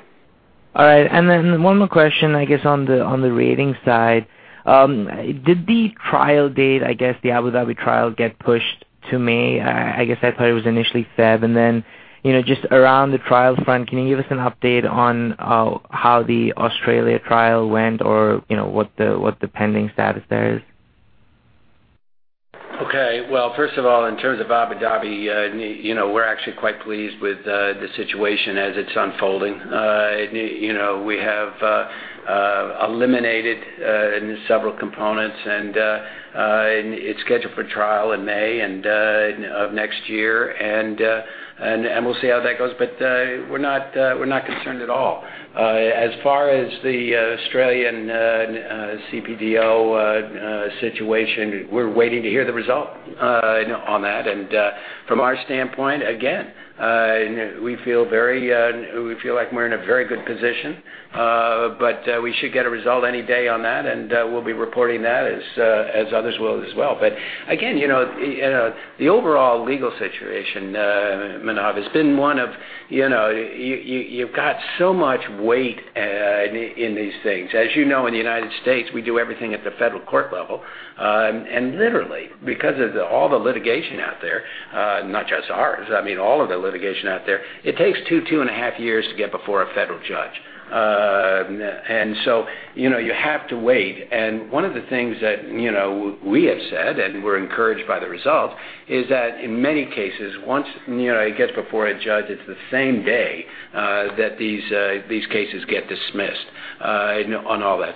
All right. One more question, I guess on the ratings side. Did the trial date, I guess the Abu Dhabi trial get pushed to May? I guess I thought it was initially February. Just around the trial front, can you give us an update on how the Australia trial went or what the pending status there is? Okay. Well, first of all, in terms of Abu Dhabi, we're actually quite pleased with the situation as it's unfolding. We have eliminated several components, it's scheduled for trial in May of next year. We'll see how that goes. We're not concerned at all. As far as the Australian CPDO situation, we're waiting to hear the result on that. From our standpoint, again, we feel like we're in a very good position. We should get a result any day on that, and we'll be reporting that as others will as well. Again, the overall legal situation, Manav, has been one of, you've got so much weight in these things. As you know, in the United States., we do everything at the federal court level. Literally, because of all the litigation out there, not just ours, I mean all of the litigation out there, it takes two and a half years to get before a federal judge. You have to wait. One of the things that we have said, and we're encouraged by the result, is that in many cases, once it gets before a judge, it's the same day that these cases get dismissed on all that.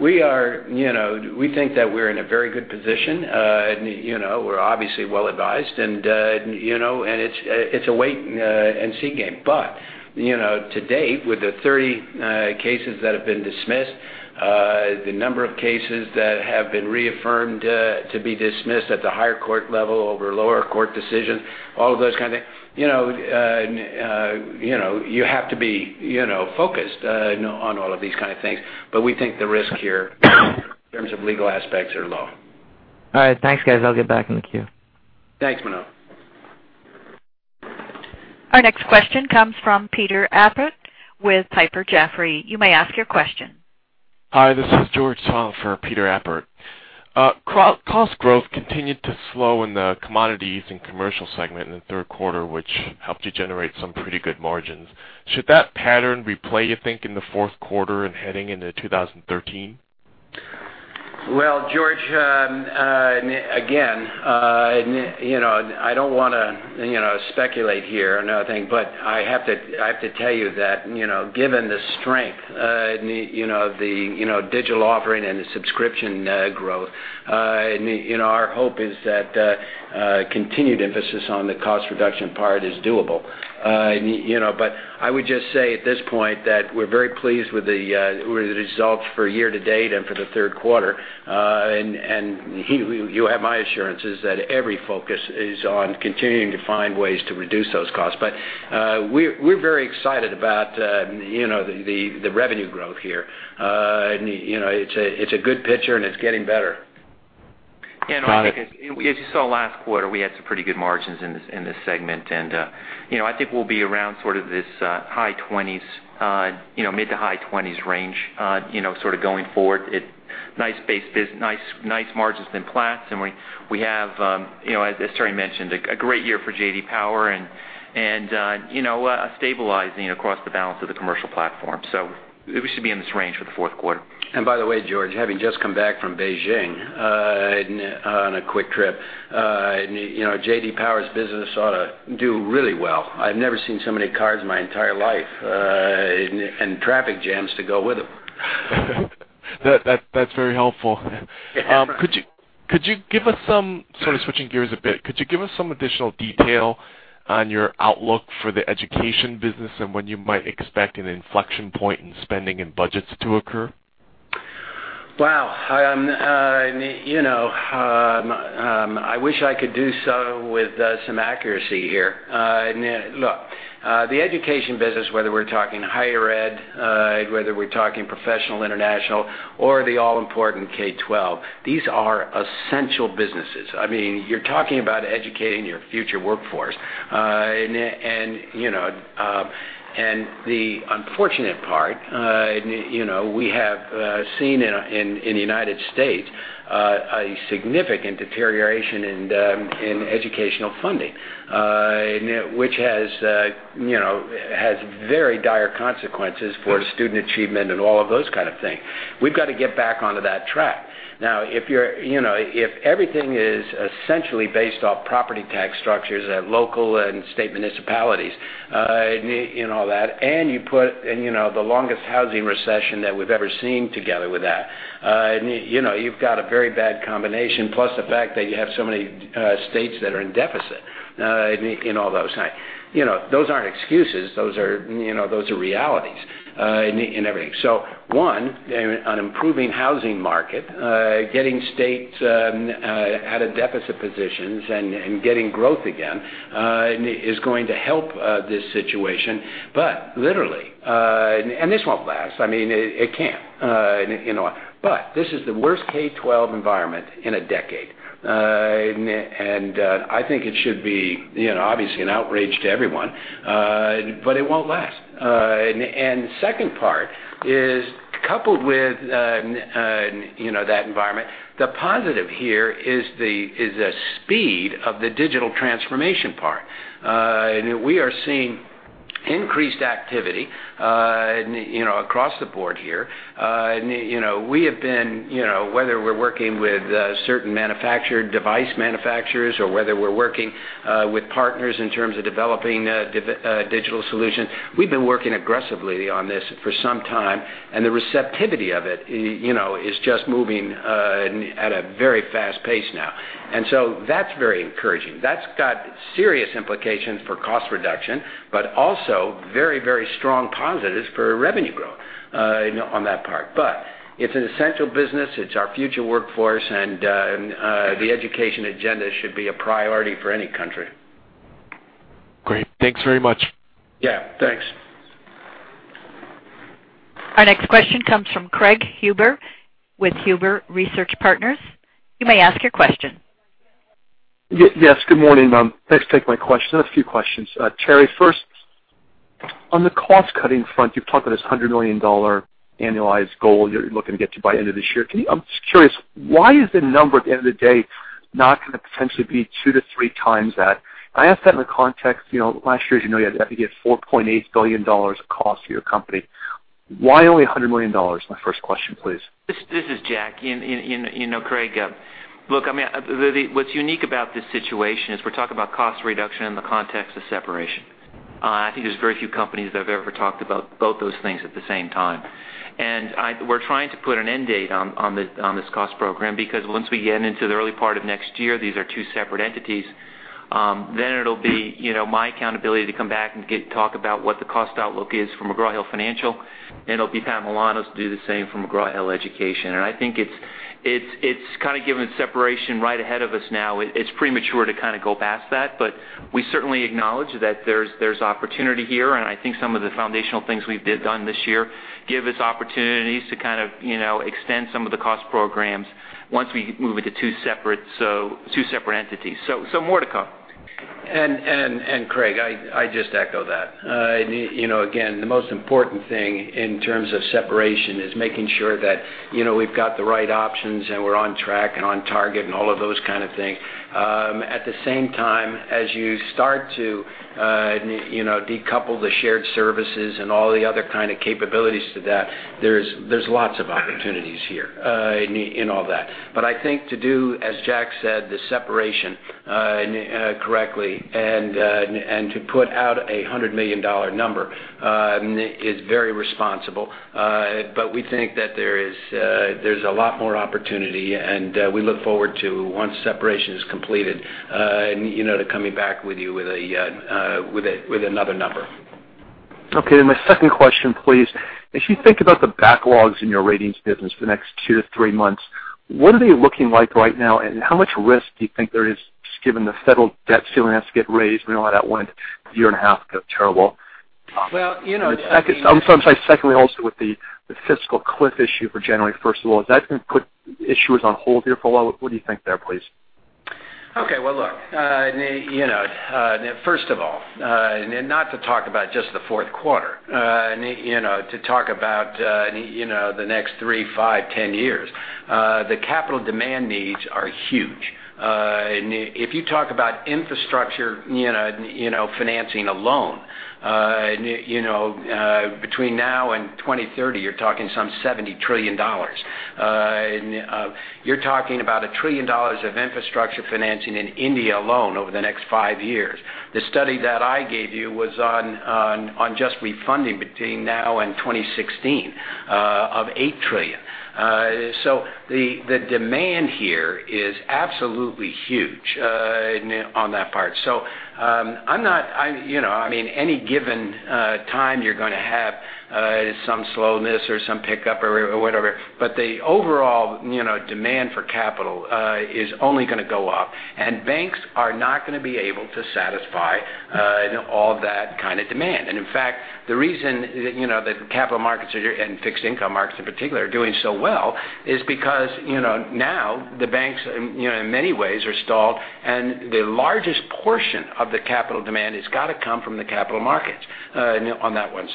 We think that we're in a very good position. We're obviously well advised, and it's a wait and see game. To date, with the 30 cases that have been dismissed, the number of cases that have been reaffirmed to be dismissed at the higher court level over lower court decision, all of those kind of thing, you have to be focused on all of these kind of things. We think the risk here in terms of legal aspects are low. All right. Thanks, guys. I'll get back in the queue. Thanks, Manav. Our next question comes from Peter Appert with Piper Jaffray. You may ask your question. Hi, this is George Tong for Peter Appert. Cost growth continued to slow in the Commodities and Commercial segment in the third quarter, which helped you generate some pretty good margins. Should that pattern replay, you think, in the fourth quarter and heading into 2013? Well, George, again, I don't want to speculate here and everything, but I have to tell you that given the strength, the digital offering and the subscription growth, our hope is that continued emphasis on the cost reduction part is doable. I would just say at this point that we're very pleased with the results for year to date and for the third quarter. You have my assurances that every focus is on continuing to find ways to reduce those costs. We're very excited about the revenue growth here. It's a good picture, and it's getting better. Got it. I think as you saw last quarter, we had some pretty good margins in this segment, and I think we'll be around this high 20s, mid-to-high 20s range, going forward. Nice margins in Platts, and we have, as Terry mentioned, a great year for J.D. Power and stabilizing across the balance of the commercial platform. We should be in this range for the fourth quarter. By the way, George, having just come back from Beijing on a quick trip, J.D. Power's business ought to do really well. I've never seen so many cars in my entire life, and traffic jams to go with them. That's very helpful. Yeah. Sort of switching gears a bit, could you give us some additional detail on your outlook for the education business and when you might expect an inflection point in spending and budgets to occur? Wow. I wish I could do so with some accuracy here. Look, the education business, whether we're talking Higher Ed, whether we're talking professional, international, or the all-important K-12, these are essential businesses. You're talking about educating your future workforce. The unfortunate part, we have seen in the United States a significant deterioration in educational funding, which has very dire consequences for student achievement and all of those kind of things. We've got to get back onto that track. If everything is essentially based off property tax structures at local and state municipalities, and all that, you put the longest housing recession that we've ever seen together with that, you've got a very bad combination, plus the fact that you have so many states that are in deficit and all those things. Those aren't excuses. Those are realities and everything. One, an improving housing market, getting states out of deficit positions and getting growth again is going to help this situation. Literally, and this won't last, it can't, but this is the worst K-12 environment in a decade. I think it should be obviously an outrage to everyone. It won't last. The second part is coupled with that environment, the positive here is the speed of the digital transformation part. We are seeing increased activity across the board here. We have been, whether we're working with certain device manufacturers or whether we're working with partners in terms of developing digital solutions, we've been working aggressively on this for some time, the receptivity of it is just moving at a very fast pace now. That's very encouraging. That's got serious implications for cost reduction, but also very, very strong positives for revenue growth on that part. It's an essential business. It's our future workforce, the education agenda should be a priority for any country. Great. Thanks very much. Yeah. Thanks. Our next question comes from Craig Huber with Huber Research Partners. You may ask your question. Yes. Good morning. Thanks for taking my question. I have a few questions. Terry, first, on the cost-cutting front, you've talked about this $100 million annualized goal you're looking to get to by the end of this year. I'm just curious, why is the number at the end of the day not going to potentially be two to three times that? I ask that in the context, last year, as you know, you had $4.8 billion of cost to your company. Why only $100 million? Is my first question, please. This is Jack. Craig, look, what's unique about this situation is we're talking about cost reduction in the context of separation. I think there's very few companies that have ever talked about both those things at the same time. We're trying to put an end date on this cost program, because once we get into the early part of next year, these are two separate entities. It'll be my accountability to come back and talk about what the cost outlook is for McGraw Hill Financial, and it'll be Patrick Milano's to do the same for McGraw Hill Education. I think it's kind of given separation right ahead of us now. It's premature to go past that, we certainly acknowledge that there's opportunity here, and I think some of the foundational things we've done this year give us opportunities to extend some of the cost programs once we move into two separate entities. More to come. Craig, I just echo that. Again, the most important thing in terms of separation is making sure that we've got the right options, and we're on track and on target, and all of those kind of things. At the same time, as you start to decouple the shared services and all the other kind of capabilities to that, there's lots of opportunities here in all that. I think to do, as Jack said, the separation correctly, and to put out a $100 million number is very responsible. We think that there's a lot more opportunity, and we look forward to, once separation is completed, to coming back to you with another number. Okay. My second question, please. As you think about the backlogs in your ratings business for the next two to three months, what are they looking like right now, and how much risk do you think there is, given the federal debt ceiling has to get raised? We know how that went a year and a half ago. Terrible. Well- I'm sorry. Secondly, also with the fiscal cliff issue for January 1st, is that going to put issuers on hold here for a while? What do you think there, please? Okay. Well, look. First of all, not to talk about just the fourth quarter, to talk about the next three, five, 10 years, the capital demand needs are huge. If you talk about infrastructure financing alone, between now and 2030, you're talking some $70 trillion. You're talking about a trillion dollars of infrastructure financing in India alone over the next five years. The study that I gave you was on just refunding between now and 2016 of $8 trillion. The demand here is absolutely huge on that part. Any given time, you're going to have some slowness or some pickup or whatever, the overall demand for capital is only going to go up, and banks are not going to be able to satisfy all that kind of demand. In fact, the reason that capital markets and fixed income markets, in particular, are doing so well is because now the banks, in many ways, are stalled, and the largest portion of the capital demand has got to come from the capital markets on that one.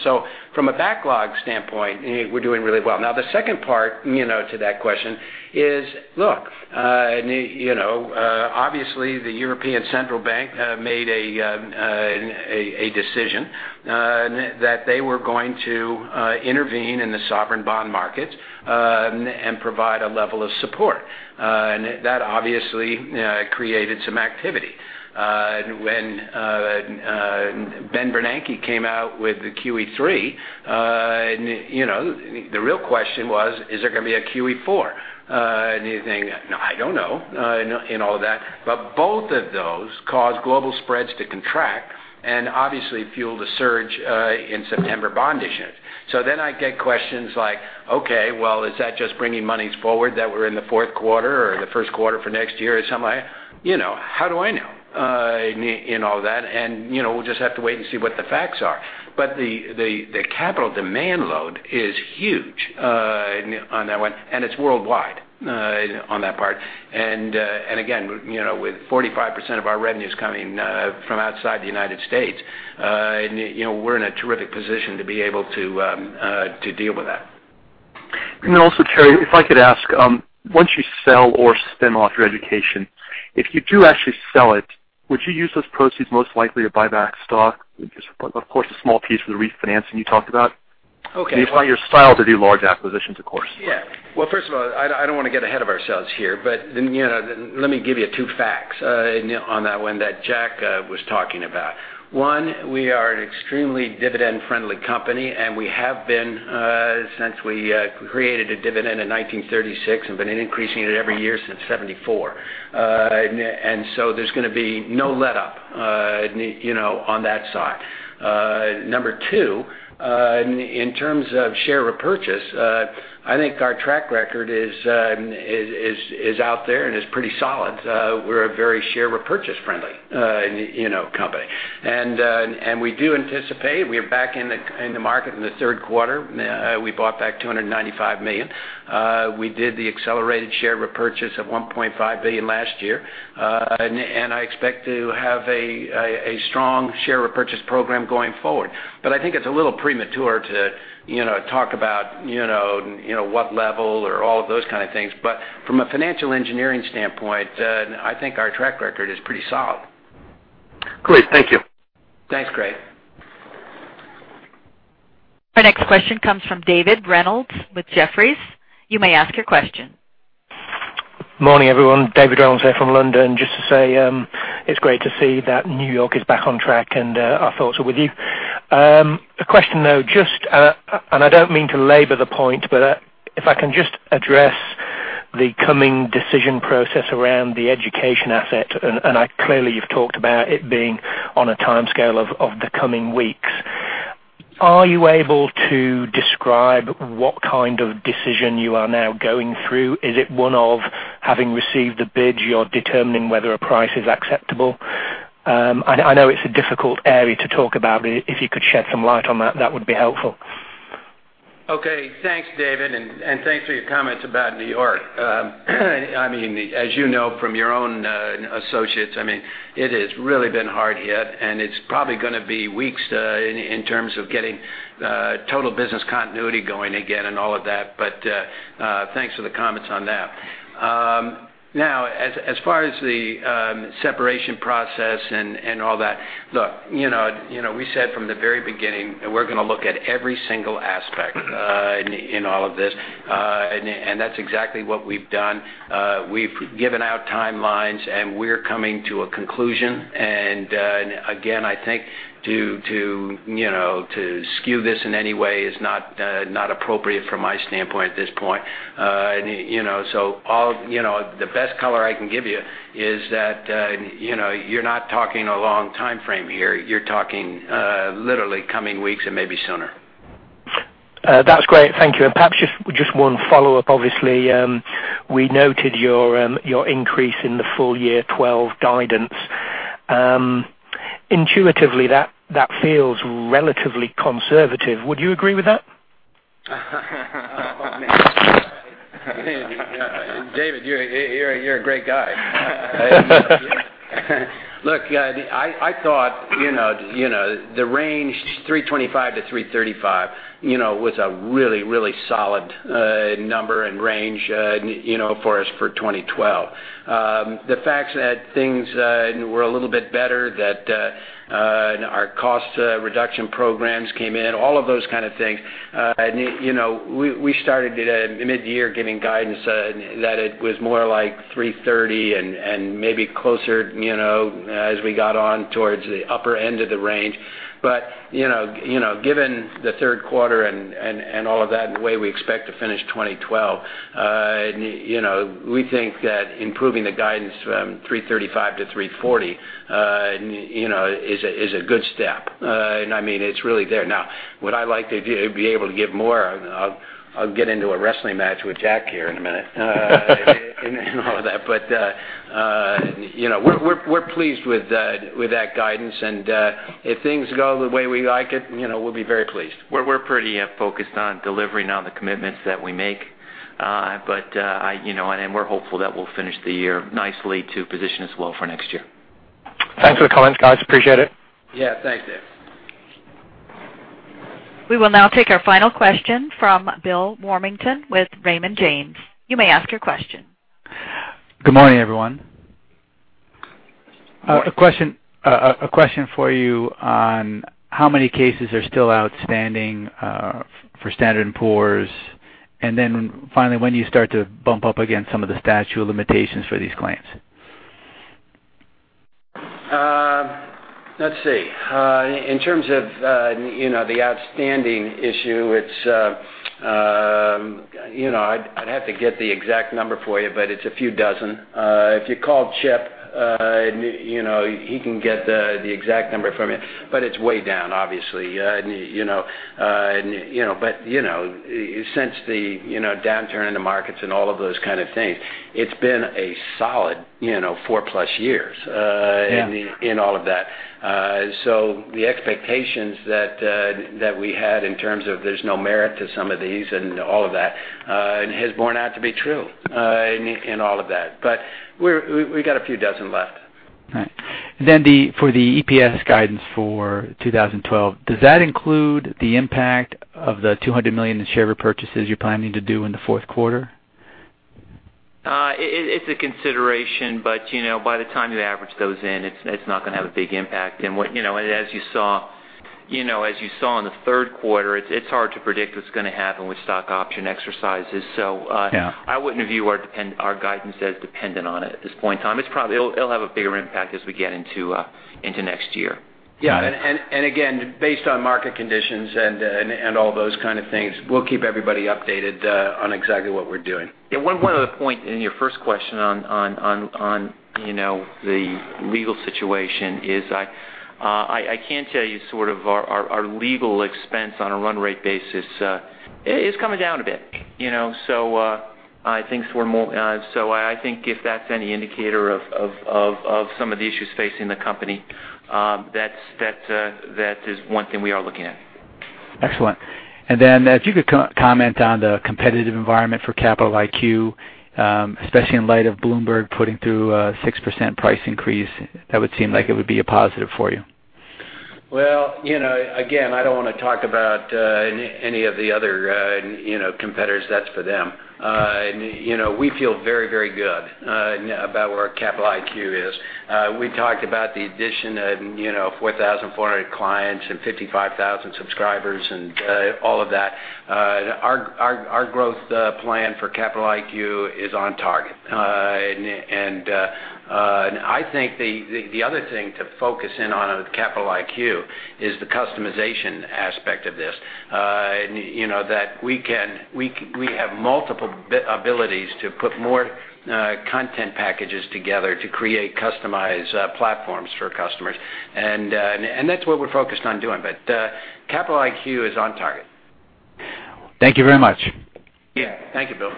From a backlog standpoint, we're doing really well. The second part to that question is, look, obviously, the European Central Bank made a decision that they were going to intervene in the sovereign bond market and provide a level of support. That obviously created some activity. When Ben Bernanke came out with the QE3, the real question was, is there going to be a QE4? You think, I don't know, and all that. Both of those caused global spreads to contract and obviously fueled a surge in September bond issuance. I get questions like, okay, well, is that just bringing monies forward that were in the fourth quarter or the first quarter for next year, or something like that. How do I know, and all that. We'll just have to wait and see what the facts are. The capital demand load is huge on that one, and it's worldwide on that part. Again, with 45% of our revenues coming from outside the United States., we're in a terrific position to be able to deal with that. Terry, if I could ask, once you sell or spin off your education, if you do actually sell it, would you use those proceeds most likely to buy back stock? Of course, a small piece for the refinancing you talked about. Okay. You apply your style to do large acquisitions, of course. First of all, I don't want to get ahead of ourselves here, let me give you two facts on that one that Jack was talking about. One, we are an extremely dividend-friendly company, we have been since we created a dividend in 1936 and been increasing it every year since 1974. So there's going to be no letup on that side. Number two, in terms of share repurchase, I think our track record is out there and is pretty solid. We're a very share repurchase friendly company. We do anticipate we are back in the market in the third quarter. We bought back $295 million. We did the accelerated share repurchase of $1.5 billion last year. I expect to have a strong share repurchase program going forward. I think it's a little premature to talk about what level or all of those kind of things. From a financial engineering standpoint, I think our track record is pretty solid. Great. Thank you. Thanks, Craig. Our next question comes from David Reynolds with Jefferies. You may ask your question. Morning, everyone. David Reynolds here from London. Just to say it's great to see that New York is back on track. Our thoughts are with you. A question, though, I don't mean to labor the point, if I can just address the coming decision process around the education asset. Clearly you've talked about it being on a timescale of the coming weeks. Are you able to describe what kind of decision you are now going through? Is it one of having received a bid, you're determining whether a price is acceptable? I know it's a difficult area to talk about, if you could shed some light on that would be helpful. Thanks, David, and thanks for your comments about New York. As you know from your own associates, it has really been hard hit, and it's probably going to be weeks in terms of getting total business continuity going again and all of that. Thanks for the comments on that. As far as the separation process and all that. Look, we said from the very beginning that we're going to look at every single aspect in all of this, and that's exactly what we've done. We've given out timelines, and we're coming to a conclusion. Again, I think to skew this in any way is not appropriate from my standpoint at this point. The best color I can give you is that you're not talking a long timeframe here. You're talking literally coming weeks and maybe sooner. That's great. Thank you. Perhaps just one follow-up. Obviously, we noted your increase in the full year 2012 guidance. Intuitively, that feels relatively conservative. Would you agree with that? David, you're a great guy. Look, I thought the range $325-$335 was a really solid number and range for us for 2012. The fact that things were a little bit better, that our cost reduction programs came in, all of those kind of things. We started mid-year giving guidance that it was more like $330 and maybe closer as we got on towards the upper end of the range. Given the third quarter and all of that and the way we expect to finish 2012, we think that improving the guidance from $335-$340 is a good step. It's really there. Now, would I like to be able to give more? I'll get into a wrestling match with Jack here in a minute. All of that. We're pleased with that guidance. If things go the way we like it, we'll be very pleased. We're pretty focused on delivering on the commitments that we make. We're hopeful that we'll finish the year nicely to position us well for next year. Thanks for the comments, guys. Appreciate it. Yeah, thanks, David. We will now take our final question from Bill Warmington with Raymond James. You may ask your question. Good morning, everyone. A question for you on how many cases are still outstanding for Standard & Poor's. Finally, when do you start to bump up against some of the statute of limitations for these claims? Let's see. In terms of the outstanding issue, I'd have to get the exact number for you, but it's a few dozen. If you call Chip, he can get the exact number from you, but it's way down, obviously. Since the downturn in the markets and all of those kind of things, it's been a solid four-plus years- Yeah in all of that. The expectations that we had in terms of there's no merit to some of these and all of that, it has borne out to be true in all of that. We got a few dozen left. Right. For the EPS guidance for 2012, does that include the impact of the $200 million in share repurchases you're planning to do in the fourth quarter? It's a consideration, by the time you average those in, it's not going to have a big impact. As you saw in the third quarter, it's hard to predict what's going to happen with stock option exercises. Yeah. I wouldn't view our guidance as dependent on it at this point in time. It'll have a bigger impact as we get into next year. Yeah. Again, based on market conditions and all those kind of things, we'll keep everybody updated on exactly what we're doing. Yeah. One other point in your first question on the legal situation is I can tell you our legal expense on a run rate basis is coming down a bit. I think if that's any indicator of some of the issues facing the company, that is one thing we are looking at. Excellent. If you could comment on the competitive environment for Capital IQ, especially in light of Bloomberg putting through a 6% price increase. That would seem like it would be a positive for you. Well, again, I don't want to talk about any of the other competitors. That's for them. We feel very good about where our Capital IQ is. We talked about the addition of 4,400 clients and 55,000 subscribers and all of that. Our growth plan for Capital IQ is on target. I think the other thing to focus in on with Capital IQ is the customization aspect of this, that we have multiple abilities to put more content packages together to create customized platforms for customers. That's what we're focused on doing. Capital IQ is on target. Thank you very much. Yeah. Thank you, Bill.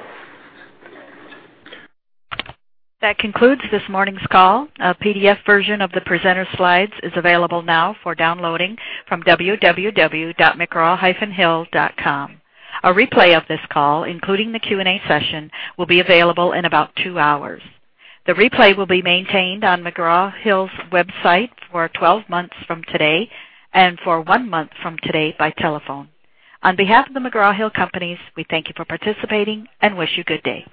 That concludes this morning's call. A PDF version of the presenter slides is available now for downloading from www.mcgraw-hill.com. A replay of this call, including the Q&A session, will be available in about two hours. The replay will be maintained on McGraw-Hill's website for 12 months from today and for one month from today by telephone. On behalf of The McGraw-Hill Companies, we thank you for participating and wish you good day.